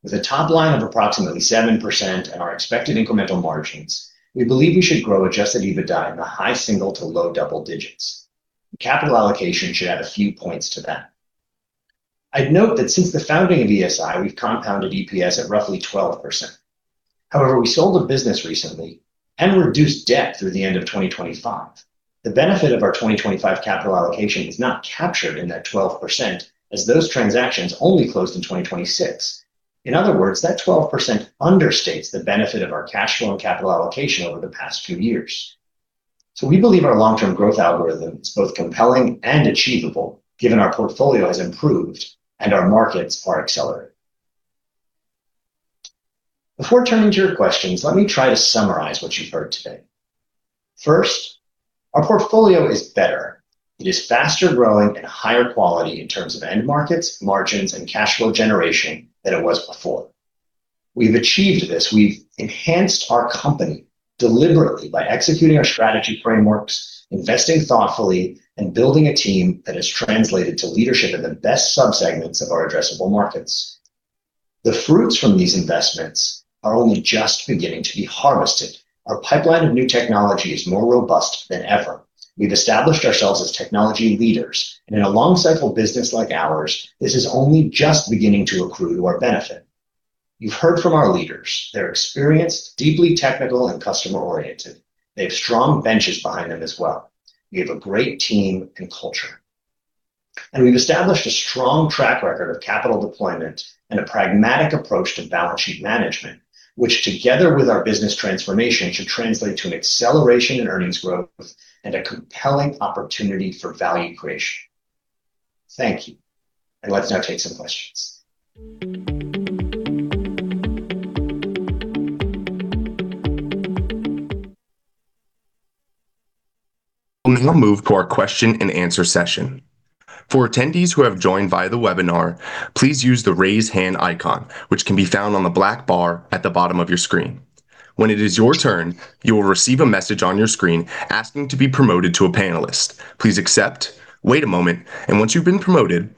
S4: With a top line of approximately 7% and our expected incremental margins, we believe we should grow adjusted EBITDA in the high single to low double digits. Capital allocation should add a few points to that. I'd note that since the founding of ESI, we've compounded EPS at roughly 12%. However, we sold a business recently and reduced debt through the end of 2025. The benefit of our 2025 capital allocation is not captured in that 12% as those transactions only closed in 2026. In other words, that 12% understates the benefit of our cash flow and capital allocation over the past few years. We believe our long-term growth algorithm is both compelling and achievable given our portfolio has improved and our markets are accelerating. Before turning to your questions, let me try to summarize what you've heard today. First, our portfolio is better. It is faster-growing and higher quality in terms of end markets, margins, and cash flow generation than it was before. We've achieved this. We've enhanced our company deliberately by executing our strategy frameworks, investing thoughtfully, and building a team that has translated to leadership in the best subsegments of our addressable markets. The fruits from these investments are only just beginning to be harvested. Our pipeline of new technology is more robust than ever. We've established ourselves as technology leaders, and in a long cycle business like ours, this is only just beginning to accrue to our benefit. You've heard from our leaders. They're experienced, deeply technical, and customer-oriented. They have strong benches behind them as well. We have a great team and culture. We've established a strong track record of capital deployment and a pragmatic approach to balance sheet management, which together with our business transformation, should translate to an acceleration in earnings growth and a compelling opportunity for value creation. Thank you, and let's now take some questions.
S16: We will now move to our question and answer session. For attendees who have joined via the webinar, please use the raise hand icon, which can be found on the black bar at the bottom of your screen. When it is your turn, you will receive a message on your screen asking to be promoted to a panelist. Please accept, wait a moment, and once you've been promoted,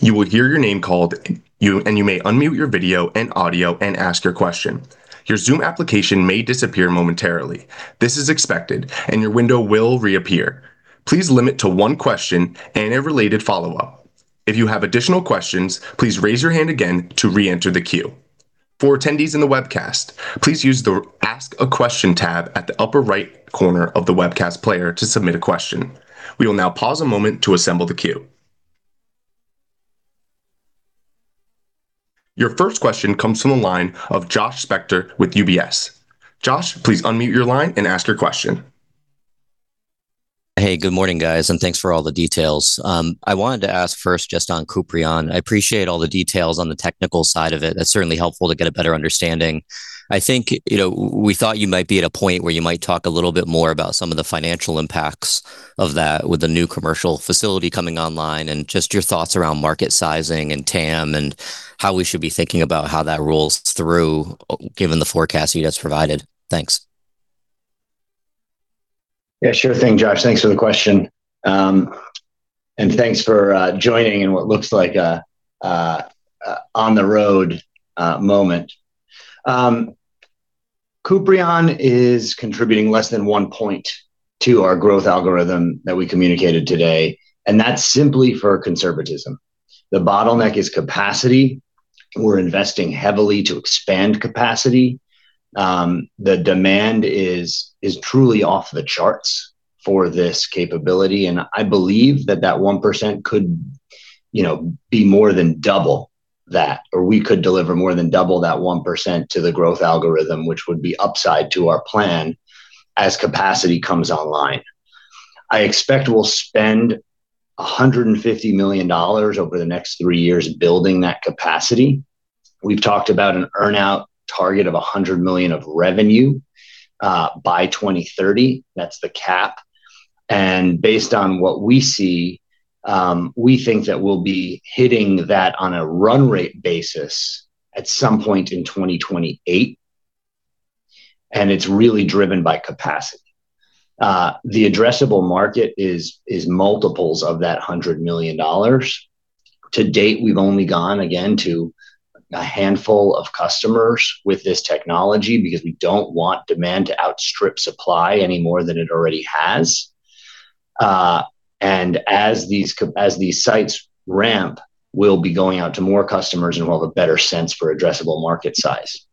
S16: you will hear your name called, and you may unmute your video and audio and ask your question. Your Zoom application may disappear momentarily. This is expected, and your window will reappear. Please limit to one question and a related follow-up. If you have additional questions, please raise your hand again to re-enter the queue. For attendees in the webcast, please use the ask a question tab at the upper right corner of the webcast player to submit a question. We will now pause a moment to assemble the queue. Your first question comes from the line of Josh Spector with UBS. Josh, please unmute your line and ask your question.
S17: Hey, good morning, guys. Thanks for all the details. I wanted to ask first just on Kuprion. I appreciate all the details on the technical side of it. That is certainly helpful to get a better understanding. I think, you know, we thought you might be at a point where you might talk a little bit more about some of the financial impacts of that with the new commercial facility coming online, and just your thoughts around market sizing and TAM, and how we should be thinking about how that rolls through given the forecast you just provided. Thanks.
S4: Yeah, sure thing, Josh. Thanks for the question. Thanks for joining in what looks like a on the road moment. Kuprion is contributing less than 1 point to our growth algorithm that we communicated today, and that's simply for conservatism. The bottleneck is capacity. We're investing heavily to expand capacity. The demand is truly off the charts for this capability, and I believe that that 1% could, you know, be more than double that, or we could deliver more than double that 1% to the growth algorithm, which would be upside to our plan as capacity comes online. I expect we'll spend $150 million over the next three years building that capacity. We've talked about an earn-out target of $100 million of revenue by 2030. That's the cap. Based on what we see, we think that we'll be hitting that on a run rate basis at some point in 2028, and it's really driven by capacity. The addressable market is multiples of that $100 million. To date, we've only gone again to a handful of customers with this technology because we don't want demand to outstrip supply any more than it already has. As these sites ramp, we'll be going out to more customers, and we'll have a better sense for addressable market size.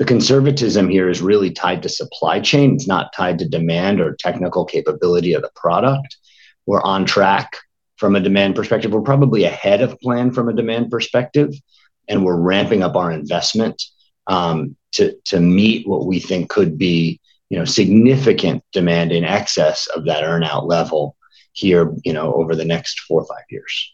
S4: The conservatism here is really tied to supply chain. It's not tied to demand or technical capability of the product. We're on track from a demand perspective. We're probably ahead of plan from a demand perspective, and we're ramping up our investment to meet what we think could be, you know, significant demand in excess of that earn-out level here, you know, over the next four or five years.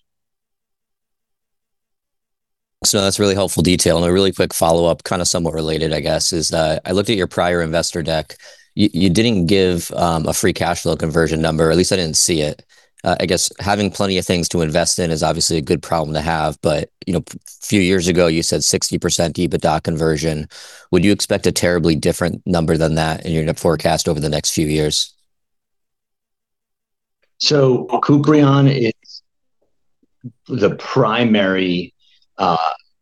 S17: That's a really helpful detail. A really quick follow-up, kind of somewhat related, I guess, is that I looked at your prior investor deck. You didn't give a free cash flow conversion number, or at least I didn't see it. I guess having plenty of things to invest in is obviously a good problem to have but, you know, a few years ago you said 60% EBITDA conversion. Would you expect a terribly different number than that in your forecast over the next few years?
S4: Kuprion is the primary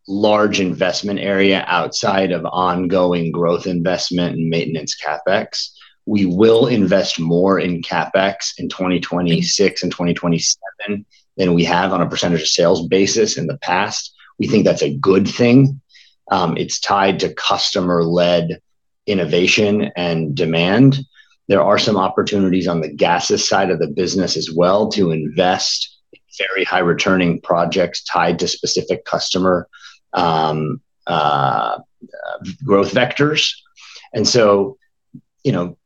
S4: large investment area outside of ongoing growth investment and maintenance CapEx. We will invest more in CapEx in 2026 and 2027 than we have on a percentage of sales basis in the past. We think that's a good thing. It's tied to customer-led innovation and demand. There are some opportunities on the gases side of the business as well to invest very high returning projects tied to specific customer growth vectors. You know,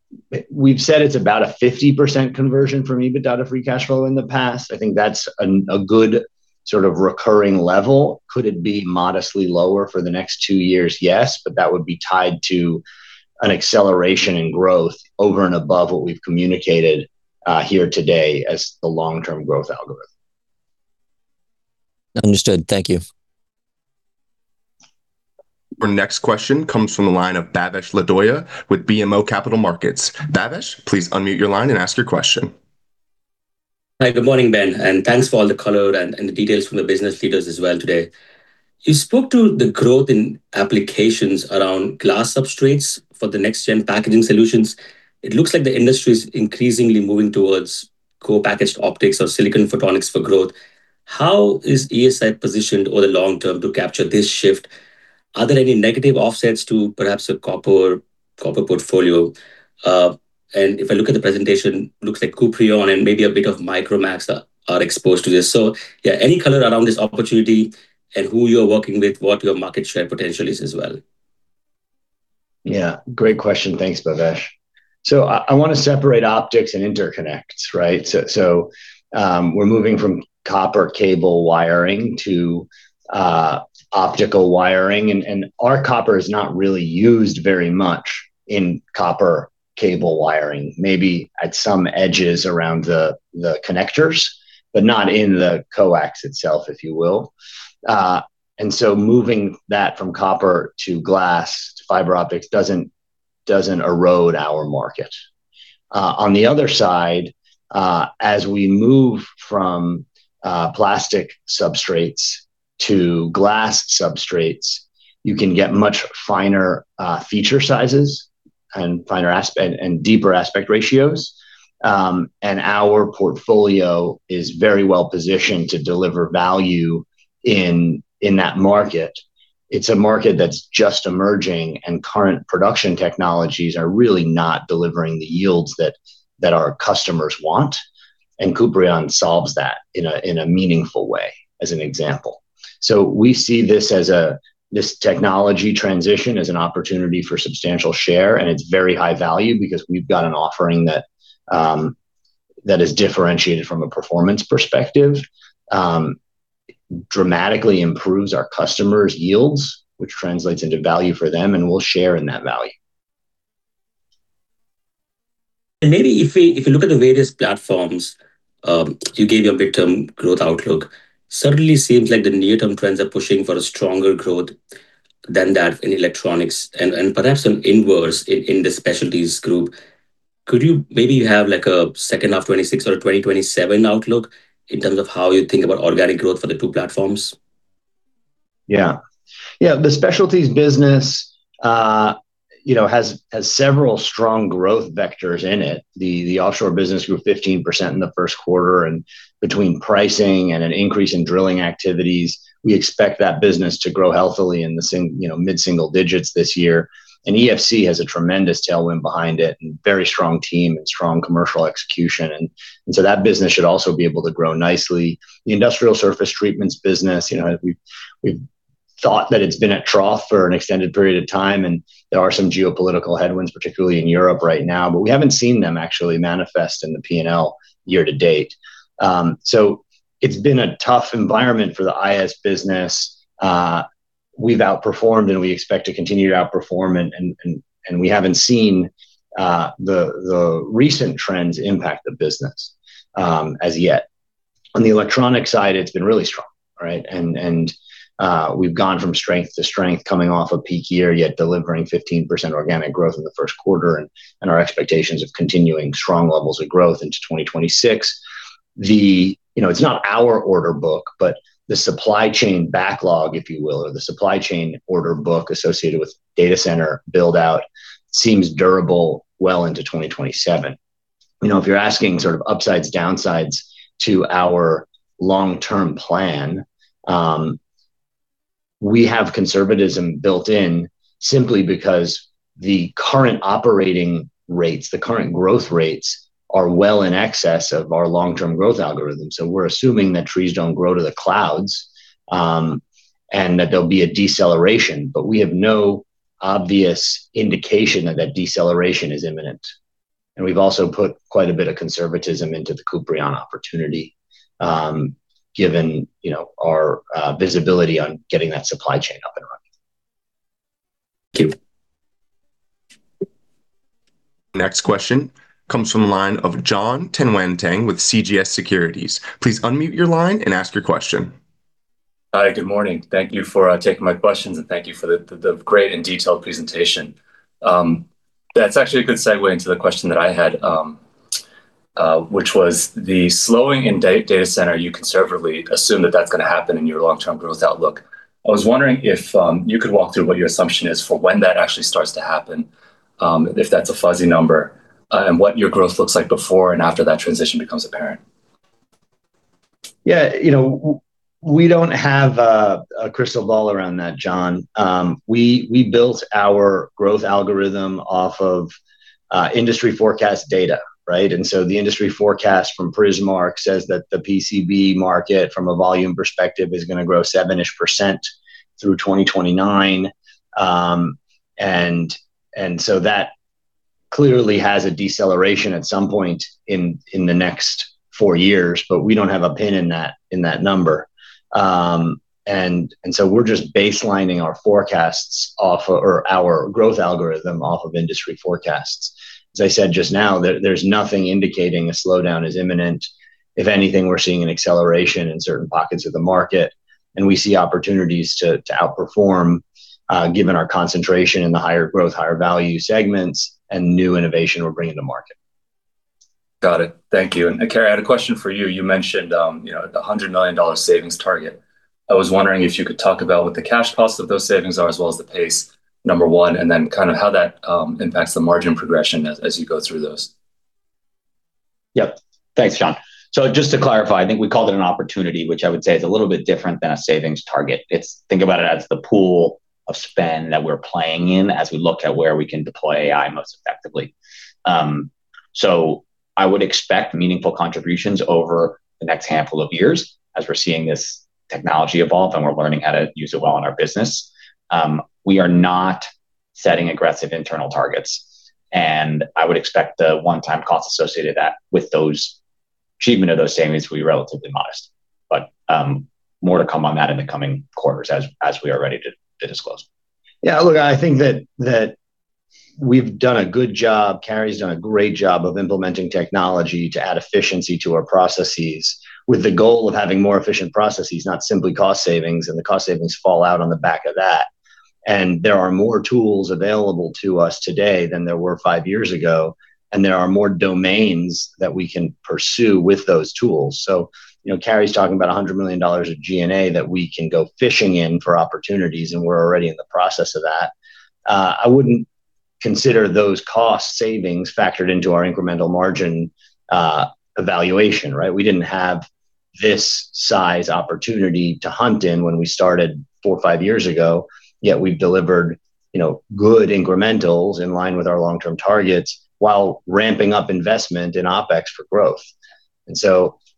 S4: we've said it's about a 50% conversion from EBITDA to free cash flow in the past. I think that's a good sort of recurring level. Could it be modestly lower for the next two years? Yes. That would be tied to an acceleration in growth over and above what we've communicated here today as the long-term growth algorithm.
S17: Understood. Thank you.
S16: Our next question comes from the line of Bhavesh Lodaya with BMO Capital Markets. Bhavesh, please unmute your line and ask your question.
S18: Hi. Good morning, Ben, thanks for all the color and the details from the business leaders as well today. You spoke to the growth in applications around glass substrates for the next-gen packaging solutions. It looks like the industry is increasingly moving towards co-packaged optics or silicon photonics for growth. How is ESI positioned over the long term to capture this shift? Are there any negative offsets to perhaps a copper portfolio? If I look at the presentation, looks like Kuprion and maybe a bit of Micromax are exposed to this. Yeah, any color around this opportunity and who you're working with, what your market share potential is as well?
S4: Great question. Thanks, Bhavesh. I wanna separate optics and interconnect, right? We're moving from copper cable wiring to optical wiring and our copper is not really used very much in copper cable wiring, maybe at some edges around the connectors. Not in the coax itself, if you will. Moving that from copper to glass to fiber optics doesn't erode our market. On the other side, as we move from plastic substrates to glass substrates, you can get much finer feature sizes and finer and deeper aspect ratios. Our portfolio is very well-positioned to deliver value in that market. It's a market that's just emerging, and current production technologies are really not delivering the yields that our customers want, and Kuprion solves that in a meaningful way, as an example. We see this as a technology transition as an opportunity for substantial share, and it's very high value because we've got an offering that is differentiated from a performance perspective, dramatically improves our customers' yields, which translates into value for them, and we'll share in that value.
S18: Maybe if you look at the various platforms, you gave your mid-term growth outlook, certainly seems like the near-term trends are pushing for a stronger growth than that in Electronics and perhaps an inverse in the Specialties group. Could you maybe have, like, a second half 2026 or a 2027 outlook in terms of how you think about organic growth for the two platforms?
S4: Yeah. Yeah, the Specialties business, you know, has several strong growth vectors in it. The offshore business grew 15% in the first quarter, and between pricing and an increase in drilling activities, we expect that business to grow healthily in the you know, mid-single digits this year. EFC has a tremendous tailwind behind it and very strong team and strong commercial execution. That business should also be able to grow nicely. The industrial surface treatments business, you know, we've thought that it's been at trough for an extended period of time, and there are some geopolitical headwinds, particularly in Europe right now, but we haven't seen them actually manifest in the P&L year-to-date. It's been a tough environment for the IS business. We've outperformed, and we expect to continue to outperform and we haven't seen the recent trends impact the business as yet. On the electronic side, it's been really strong, right? We've gone from strength to strength coming off a peak year, yet delivering 15% organic growth in the first quarter and our expectations of continuing strong levels of growth into 2026. You know, it's not our order book, but the supply chain backlog, if you will, or the supply chain order book associated with data center build-out seems durable well into 2027. You know, if you're asking sort of upsides, downsides to our long-term plan, we have conservatism built in simply because the current operating rates, the current growth rates are well in excess of our long-term growth algorithm. We're assuming that trees don't grow to the clouds, and that there'll be a deceleration, but we have no obvious indication that that deceleration is imminent. We've also put quite a bit of conservatism into the Kuprion opportunity, given, you know, our visibility on getting that supply chain up and running.
S18: Thank you.
S16: Next question comes from the line of John Tanwanteng with CJS Securities. Please unmute your line and ask your question.
S19: Hi, good morning. Thank you for taking my questions, and thank you for the great and detailed presentation. That's actually a good segue into the question that I had, which was the slowing in data center, you conservatively assume that that's gonna happen in your long-term growth outlook. I was wondering if you could walk through what your assumption is for when that actually starts to happen, if that's a fuzzy number, and what your growth looks like before and after that transition becomes apparent.
S4: You know, we don't have a crystal ball around that, John Roberts. We built our growth algorithm off of industry forecast data, right? The industry forecast from Prismark says that the PCB market, from a volume perspective, is gonna grow 7% through 2029. That clearly has a deceleration at some point in the next four years, but we don't have a pin in that number. We're just baselining our forecasts or our growth algorithm off of industry forecasts. As I said just now, there's nothing indicating a slowdown is imminent. If anything, we're seeing an acceleration in certain pockets of the market, and we see opportunities to outperform given our concentration in the higher growth, higher value segments and new innovation we're bringing to market.
S19: Got it. Thank you. Carey, I had a question for you. You mentioned, you know, the $100 million savings target. I was wondering if you could talk about what the cash costs of those savings are, as well as the pace, number one, and then kind of how that impacts the margin progression as you go through those.
S15: Yep. Thanks, John. Just to clarify, I think we called it an opportunity, which I would say is a little bit different than a savings target. Think about it as the pool of spend that we're playing in as we look at where we can deploy AI most effectively. I would expect meaningful contributions over the next handful of years as we're seeing this technology evolve and we're learning how to use it well in our business. We are not setting aggressive internal targets, and I would expect the one-time costs associated that with those, achievement of those savings will be relatively modest. More to come on that in the coming quarters as we are ready to disclose.
S4: Yeah, look, I think that We've done a good job, Carey's done a great job of implementing technology to add efficiency to our processes with the goal of having more efficient processes, not simply cost savings. The cost savings fall out on the back of that. There are more tools available to us today than there were five years ago, and there are more domains that we can pursue with those tools. You know, Carey's talking about $100 million of G&A that we can go fishing in for opportunities, and we're already in the process of that. I wouldn't consider those cost savings factored into our incremental margin evaluation, right? We didn't have this size opportunity to hunt in when we started four or five years ago, yet we've delivered, you know, good incrementals in line with our long-term targets while ramping up investment in OpEx for growth.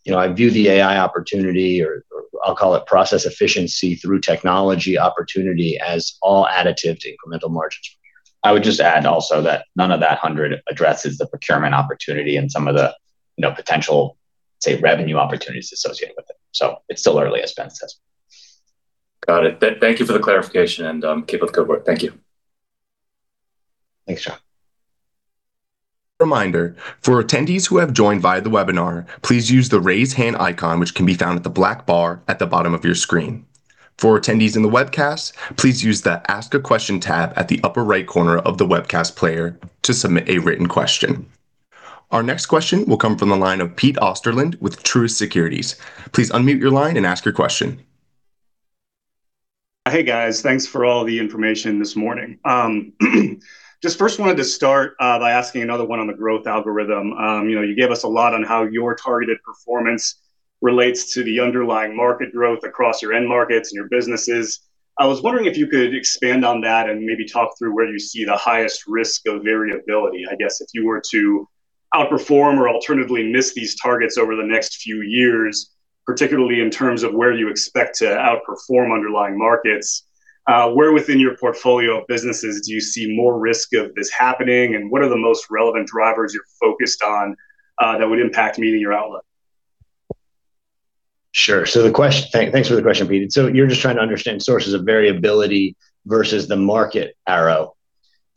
S4: You know, I view the AI opportunity, or I'll call it process efficiency through technology opportunity, as all additive to incremental margins.
S15: I would just add also that none of that 100 addresses the procurement opportunity and some of the, you know, potential, say, revenue opportunities associated with it. It's still early, as Ben says.
S19: Got it. Thank you for the clarification, and keep up the good work. Thank you.
S4: Thanks, John.
S16: Reminder, for attendees who have joined via the webinar, please use the raise hand icon, which can be found at the black bar at the bottom of your screen. For attendees in the webcast, please use the Ask a Question tab at the upper right corner of the webcast player to submit a written question. Our next question will come from the line of Peter Osterland with Truist Securities. Please unmute your line and ask your question.
S20: Hey, guys. Thanks for all the information this morning. Just first wanted to start by asking another one on the growth algorithm. You know, you gave us a lot on how your targeted performance relates to the underlying market growth across your end markets and your businesses. I was wondering if you could expand on that and maybe talk through where you see the highest risk of variability, I guess, if you were to outperform or alternatively miss these targets over the next few years, particularly in terms of where you expect to outperform underlying markets. Where within your portfolio of businesses do you see more risk of this happening, and what are the most relevant drivers you're focused on, that would impact meeting your outlook?
S4: Sure. Thanks for the question, Pete. You're just trying to understand sources of variability versus the market arrow.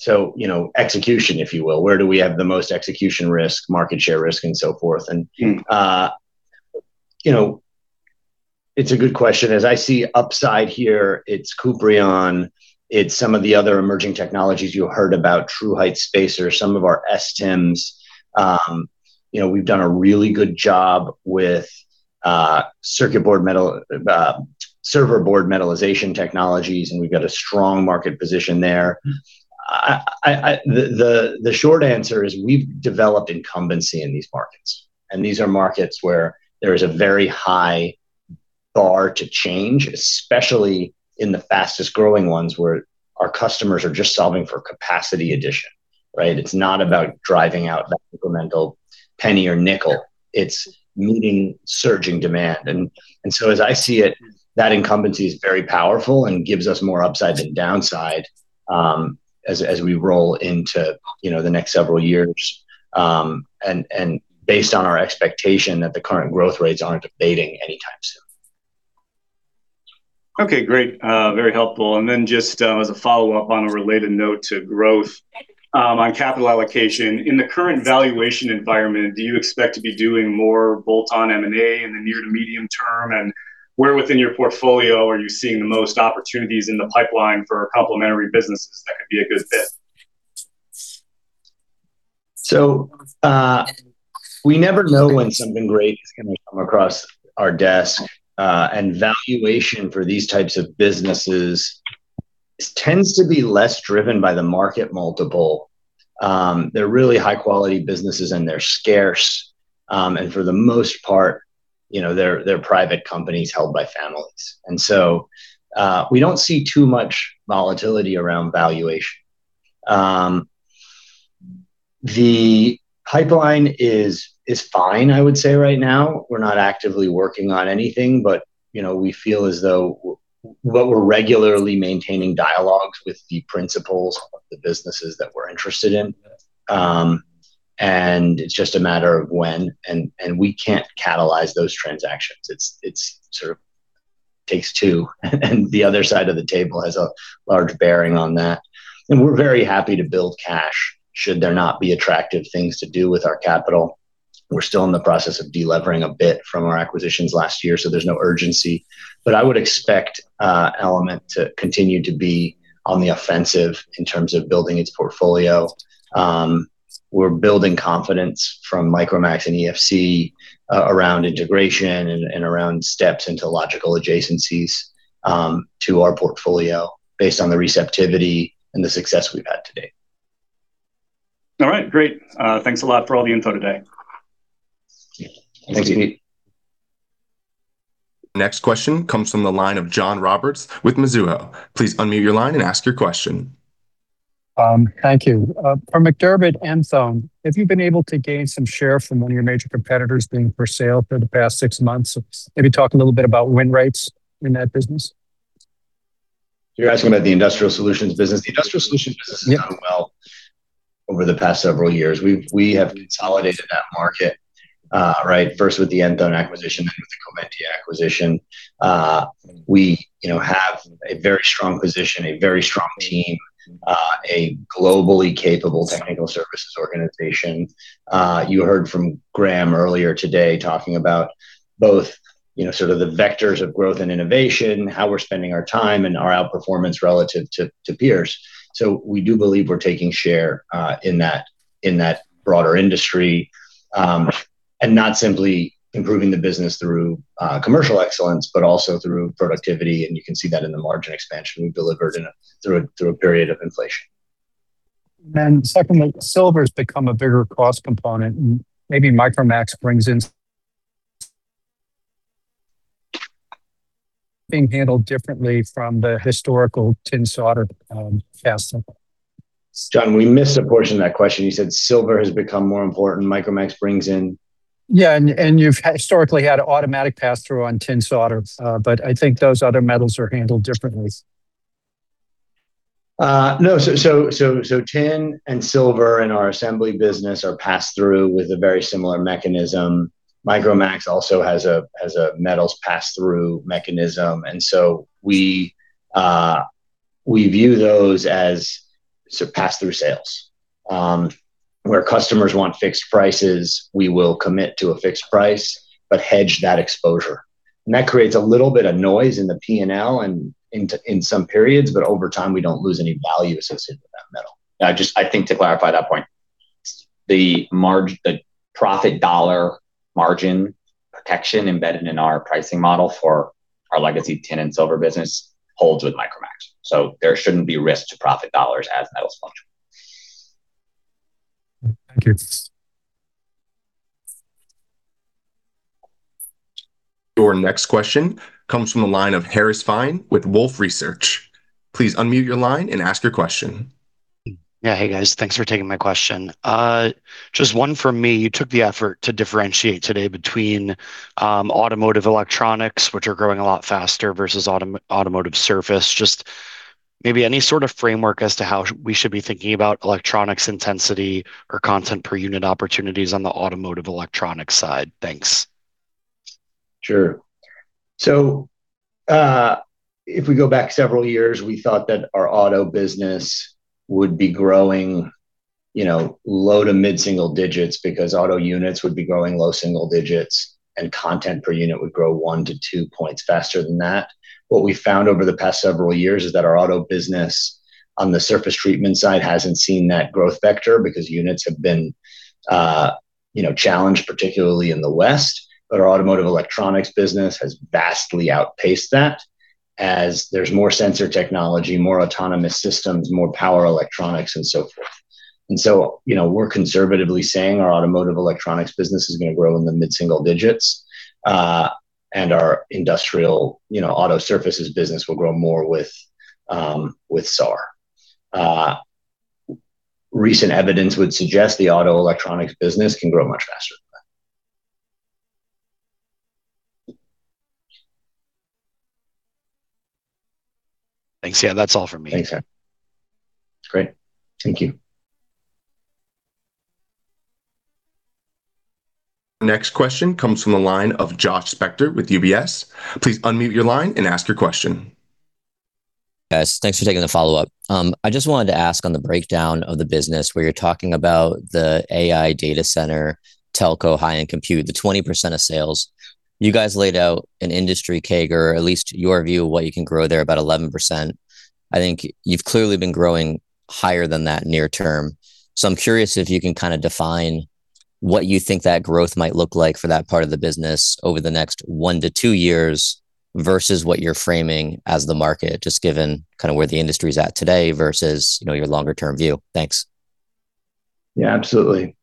S4: You know, execution, if you will. Where do we have the most execution risk, market share risk, and so forth? You know, it's a good question. As I see upside here, it's Kuprion, it's some of the other emerging technologies you heard about, TruHeight spacer, some of our TIMs. you know, we've done a really good job with circuit board metal, server board metallization technologies, and we've got a strong market position there. The short answer is we've developed incumbency in these markets, and these are markets where there is a very high bar to change, especially in the fastest growing ones, where our customers are just solving for capacity addition, right? It's not about driving out that incremental penny or nickel. It's meeting surging demand. As I see it, that incumbency is very powerful and gives us more upside than downside, as we roll into, you know, the next several years, and based on our expectation that the current growth rates aren't abating anytime soon.
S20: Okay, great. very helpful. Then just, as a follow-up on a related note to growth, on capital allocation, in the current valuation environment, do you expect to be doing more bolt-on M&A in the near to medium term? Where within your portfolio are you seeing the most opportunities in the pipeline for complementary businesses that could be a good fit?
S4: We never know when something great is gonna come across our desk, and valuation for these types of businesses tends to be less driven by the market multiple. They're really high quality businesses, and they're scarce. For the most part, you know, they're private companies held by families. We don't see too much volatility around valuation. The pipeline is fine, I would say, right now. We're not actively working on anything, but, you know, we feel as though what we're regularly maintaining dialogues with the principals of the businesses that we're interested in. It's just a matter of when, and we can't catalyze those transactions. It's, it's sort of takes two and the other side of the table has a large bearing on that. We're very happy to build cash should there not be attractive things to do with our capital. We're still in the process of de-levering a bit from our acquisitions last year, so there's no urgency. I would expect Element to continue to be on the offensive in terms of building its portfolio. We're building confidence from Micromax and EFC around integration and around steps into logical adjacencies to our portfolio based on the receptivity and the success we've had to date.
S20: All right, great. Thanks a lot for all the info today.
S4: Thank you.
S16: Next question comes from the line of John Roberts with Mizuho. Please unmute your line and ask your question.
S21: Thank you. For MacDermid Enthone, have you been able to gain some share from one of your major competitors being for sale for the past six months? Maybe talk a little bit about win rates in that business.
S4: You're asking about the Industrial Solutions business?
S21: Yeah.
S4: The Industrial Solution business has done well over the past several years. We have consolidated that market, first with the Enthone acquisition and with the acquisition. We, you know, have a very strong position, a very strong team, a globally capable technical services organization. You heard from Graeme earlier today talking about both, you know, sort of the vectors of growth and innovation, how we're spending our time, and our outperformance relative to peers. We do believe we're taking share in that broader industry, not simply improving the business through commercial excellence, but also through productivity, and you can see that in the margin expansion we've delivered through a period of inflation.
S21: secondly, silver's become a bigger cost component, and maybe Micromax brings in being handled differently from the historical tin solder, fasten.
S4: John, we missed a portion of that question. You said silver has become more important, Micromax brings in?
S21: Yeah, and you've historically had a automatic pass-through on tin solder, but I think those other metals are handled differently.
S4: No. Tin and silver in our assembly business are pass-through with a very similar mechanism. Micromax also has a metals pass-through mechanism, we view those as sort of pass-through sales. Where customers want fixed prices, we will commit to a fixed price, but hedge that exposure. That creates a little bit of noise in the P&L and in some periods, but over time we don't lose any value associated with that metal.
S15: I just, I think to clarify that point, the profit dollar margin protection embedded in our pricing model for our legacy tin and silver business holds with Micromax. There shouldn't be risk to profit dollars as metals fluctuate.
S21: Thank you.
S16: Your next question comes from the line of Harris Fein with Wolfe Research. Please unmute your line and ask your question.
S22: Yeah. Hey, guys. Thanks for taking my question. Just one from me. You took the effort to differentiate today between automotive electronics, which are growing a lot faster, versus automotive surface. Just maybe any sort of framework as to how we should be thinking about electronics intensity or content per unit opportunities on the automotive electronic side. Thanks.
S4: Sure. If we go back several years, we thought that our auto business would be growing, you know, low to mid-single digits because auto units would be growing low single digits. Content per unit would grow 1 to 2 points faster than that. What we've found over the past several years is that our auto business on the surface treatment side hasn't seen that growth vector because units have been, you know, challenged, particularly in the West. Our automotive electronics business has vastly outpaced that as there's more sensor technology, more autonomous systems, more power electronics and so forth. You know, we're conservatively saying our automotive electronics business is gonna grow in the mid-single digits. Our industrial, you know, auto surfaces business will grow more with SAR. Recent evidence would suggest the auto electronics business can grow much faster than that.
S22: Thanks. Yeah, that's all from me.
S4: Thanks, Harris. Great. Thank you.
S16: Next question comes from the line of Joshua Spector with UBS. Please unmute your line and ask your question.
S17: Yes. Thanks for taking the follow-up. I just wanted to ask on the breakdown of the business where you're talking about the AI data center, telco, high-end compute, the 20% of sales. You guys laid out an industry CAGR, or at least your view of what you can grow there, about 11%. I think you've clearly been growing higher than that near term. I'm curious if you can kinda define what you think that growth might look like for that part of the business over the next one to two years versus what you're framing as the market, just given kind of where the industry's at today versus, you know, your longer term view. Thanks.
S4: Absolutely.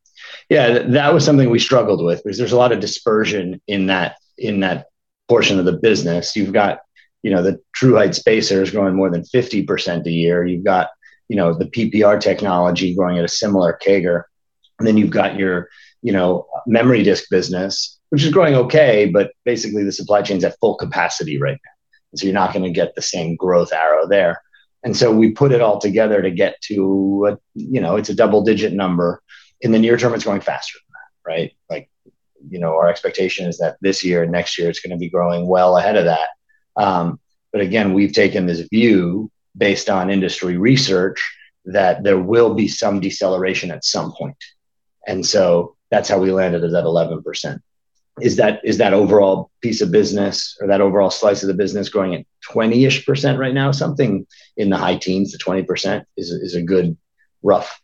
S4: That was something we struggled with because there's a lot of dispersion in that, in that portion of the business. You've got, you know, the TruHeight spacers growing more than 50% a year. You've got, you know, the PPR technology growing at a similar CAGR. You've got your, you know, memory disk business, which is growing okay, but basically the supply chain's at full capacity right now, so you're not gonna get the same growth arrow there. We put it all together to get to what You know, it's a double-digit number. In the near term it's growing faster than that, right? Like, you know, our expectation is that this year and next year it's gonna be growing well ahead of that. Again, we've taken this view based on industry research that there will be some deceleration at some point. That's how we landed at that 11%. Is that overall piece of business or that overall slice of the business growing at 20% right now? Something in the high teens to 20% is a good rough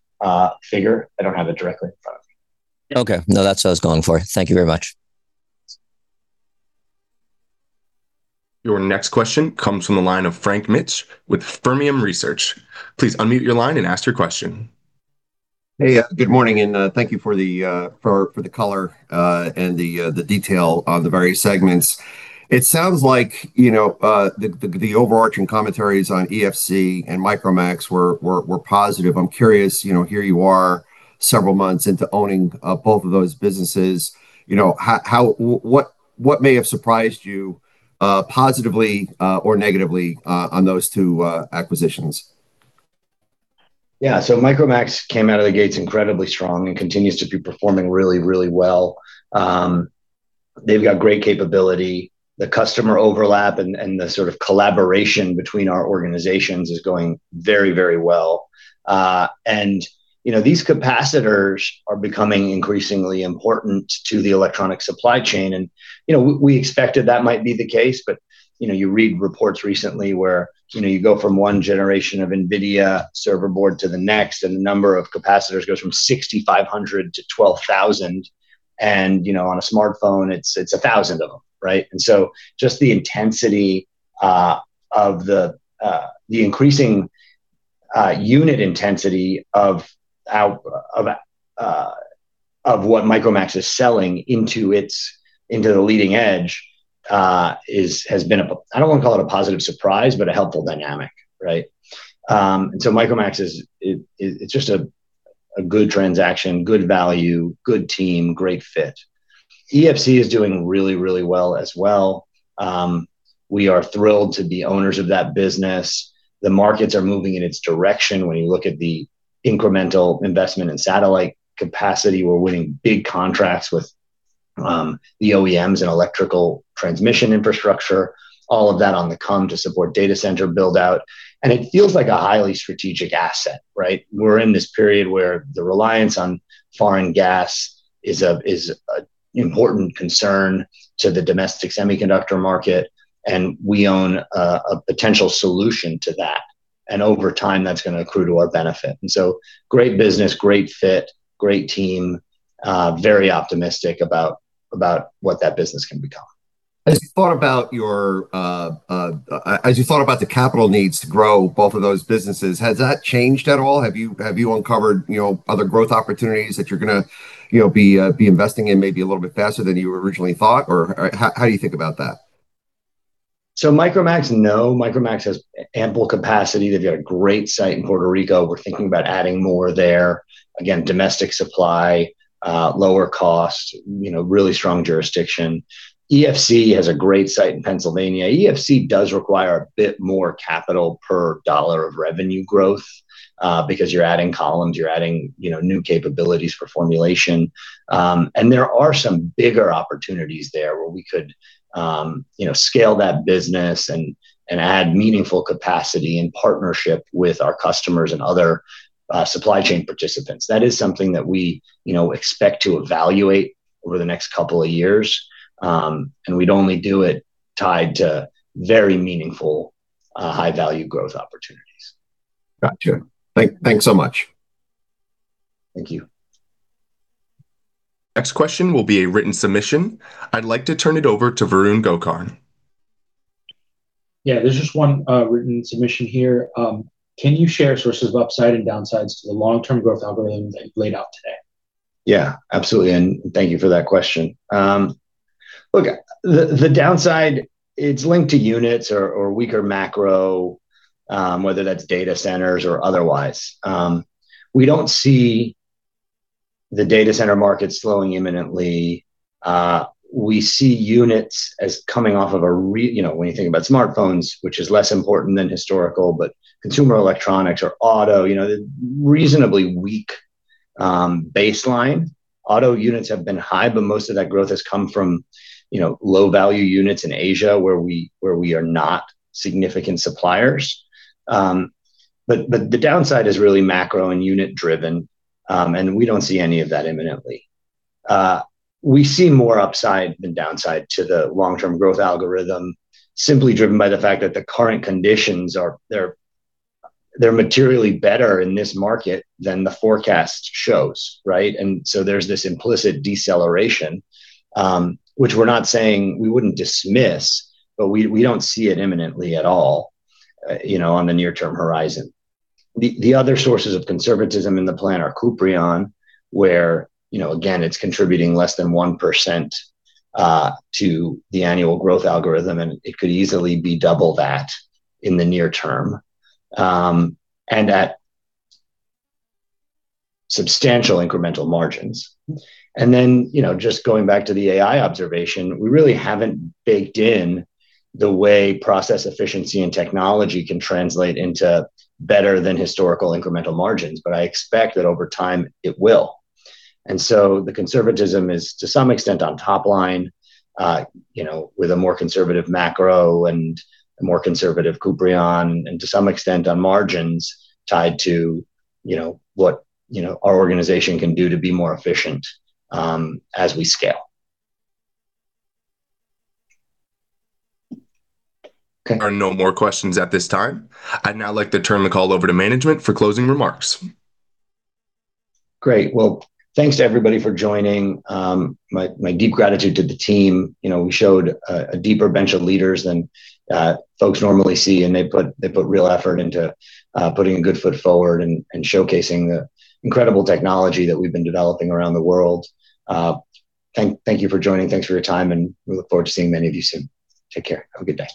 S4: figure. I don't have it directly in front of me.
S17: Okay. No, that's what I was going for. Thank you very much.
S16: Your next question comes from the line of Frank Mitsch with Fermium Research. Please unmute your line and ask your question.
S23: Good morning. Thank you for the color and the detail on the various segments. It sounds like, you know, the overarching commentaries on EFC and Micromax were positive. I'm curious, you know, here you are several months into owning both of those businesses, you know, how what may have surprised you positively or negatively on those two acquisitions?
S4: Micromax came out of the gates incredibly strong and continues to be performing really, really well. They've got great capability. The customer overlap and the sort of collaboration between our organizations is going very, very well. You know, these capacitors are becoming increasingly important to the electronic supply chain and, you know, we expected that might be the case, but, you know, you read reports recently where, you know, you go from one generation of NVIDIA server board to the next, and the number of capacitors goes from 6,500 to 12,000 and, you know, on a smartphone it's 1,000 of them, right? Just the intensity of the increasing unit intensity of what Micromax is selling into the leading edge has been a I don't wanna call it a positive surprise, but a helpful dynamic, right? Micromax is, it's just a good transaction, good value, good team, great fit. EFC is doing really, really well as well. We are thrilled to be owners of that business. The markets are moving in its direction when you look at the incremental investment in satellite capacity. We're winning big contracts with the OEMs and electrical transmission infrastructure, all of that on the comm to support data center build-out. It feels like a highly strategic asset, right? We're in this period where the reliance on foreign gas is an important concern to the domestic semiconductor market, and we own a potential solution to that. Over time that's gonna accrue to our benefit. Great business, great fit, great team, very optimistic about what that business can become.
S23: As you thought about the capital needs to grow both of those businesses, has that changed at all? Have you uncovered, you know, other growth opportunities that you're gonna, you know, be investing in maybe a little bit faster than you originally thought? How, how do you think about that?
S4: Micromax, no. Micromax has ample capacity. They've got a great site in Puerto Rico. We're thinking about adding more there. Again, domestic supply, lower cost, you know, really strong jurisdiction. EFC has a great site in Pennsylvania. EFC does require a bit more capital per dollar of revenue growth, because you're adding columns, you're adding, you know, new capabilities for formulation. There are some bigger opportunities there where we could, you know, scale that business and add meaningful capacity in partnership with our customers and other supply chain participants. That is something that we, you know, expect to evaluate over the next couple of years. We'd only do it tied to very meaningful, high value growth opportunities.
S23: Gotcha. Thanks so much.
S4: Thank you.
S16: Next question will be a written submission. I'd like to turn it over to Varun Gokarn.
S1: There's just 1 written submission here. Can you share sources of upside and downsides to the long-term growth algorithm that you've laid out today?
S4: Yeah. Absolutely, and thank you for that question. Look, the downside, it's linked to units or weaker macro, whether that's data centers or otherwise. We don't see the data center markets slowing imminently. We see units as coming off of a, you know, when you think about smartphones, which is less important than historical, but consumer electronics or auto, you know, reasonably weak, baseline. Auto units have been high, but most of that growth has come from, you know, low value units in Asia, where we are not significant suppliers. The downside is really macro and unit driven. We don't see any of that imminently. We see more upside than downside to the long-term growth algorithm simply driven by the fact that the current conditions are materially better in this market than the forecast shows, right? There's this implicit deceleration, which we're not saying we wouldn't dismiss, but we don't see it imminently at all, you know, on the near term horizon. The other sources of conservatism in the plan are Kuprion, where, you know, again, it's contributing less than 1% to the annual growth algorithm, and it could easily be double that in the near term, and at substantial incremental margins. Then, you know, just going back to the AI observation, we really haven't baked in the way process efficiency and technology can translate into better than historical incremental margins. I expect that over time it will. The conservatism is to some extent on top line, you know, with a more conservative macro and a more conservative Kuprion, and to some extent on margins tied to, you know, what, you know, our organization can do to be more efficient, as we scale.
S16: There are no more questions at this time. I'd now like to turn the call over to management for closing remarks.
S4: Great. Thanks to everybody for joining. My deep gratitude to the team. You know, we showed a deeper bench of leaders than folks normally see, and they put real effort into putting a good foot forward and showcasing the incredible technology that we've been developing around the world. Thank you for joining. Thanks for your time, and we look forward to seeing many of you soon. Take care. Have a good day.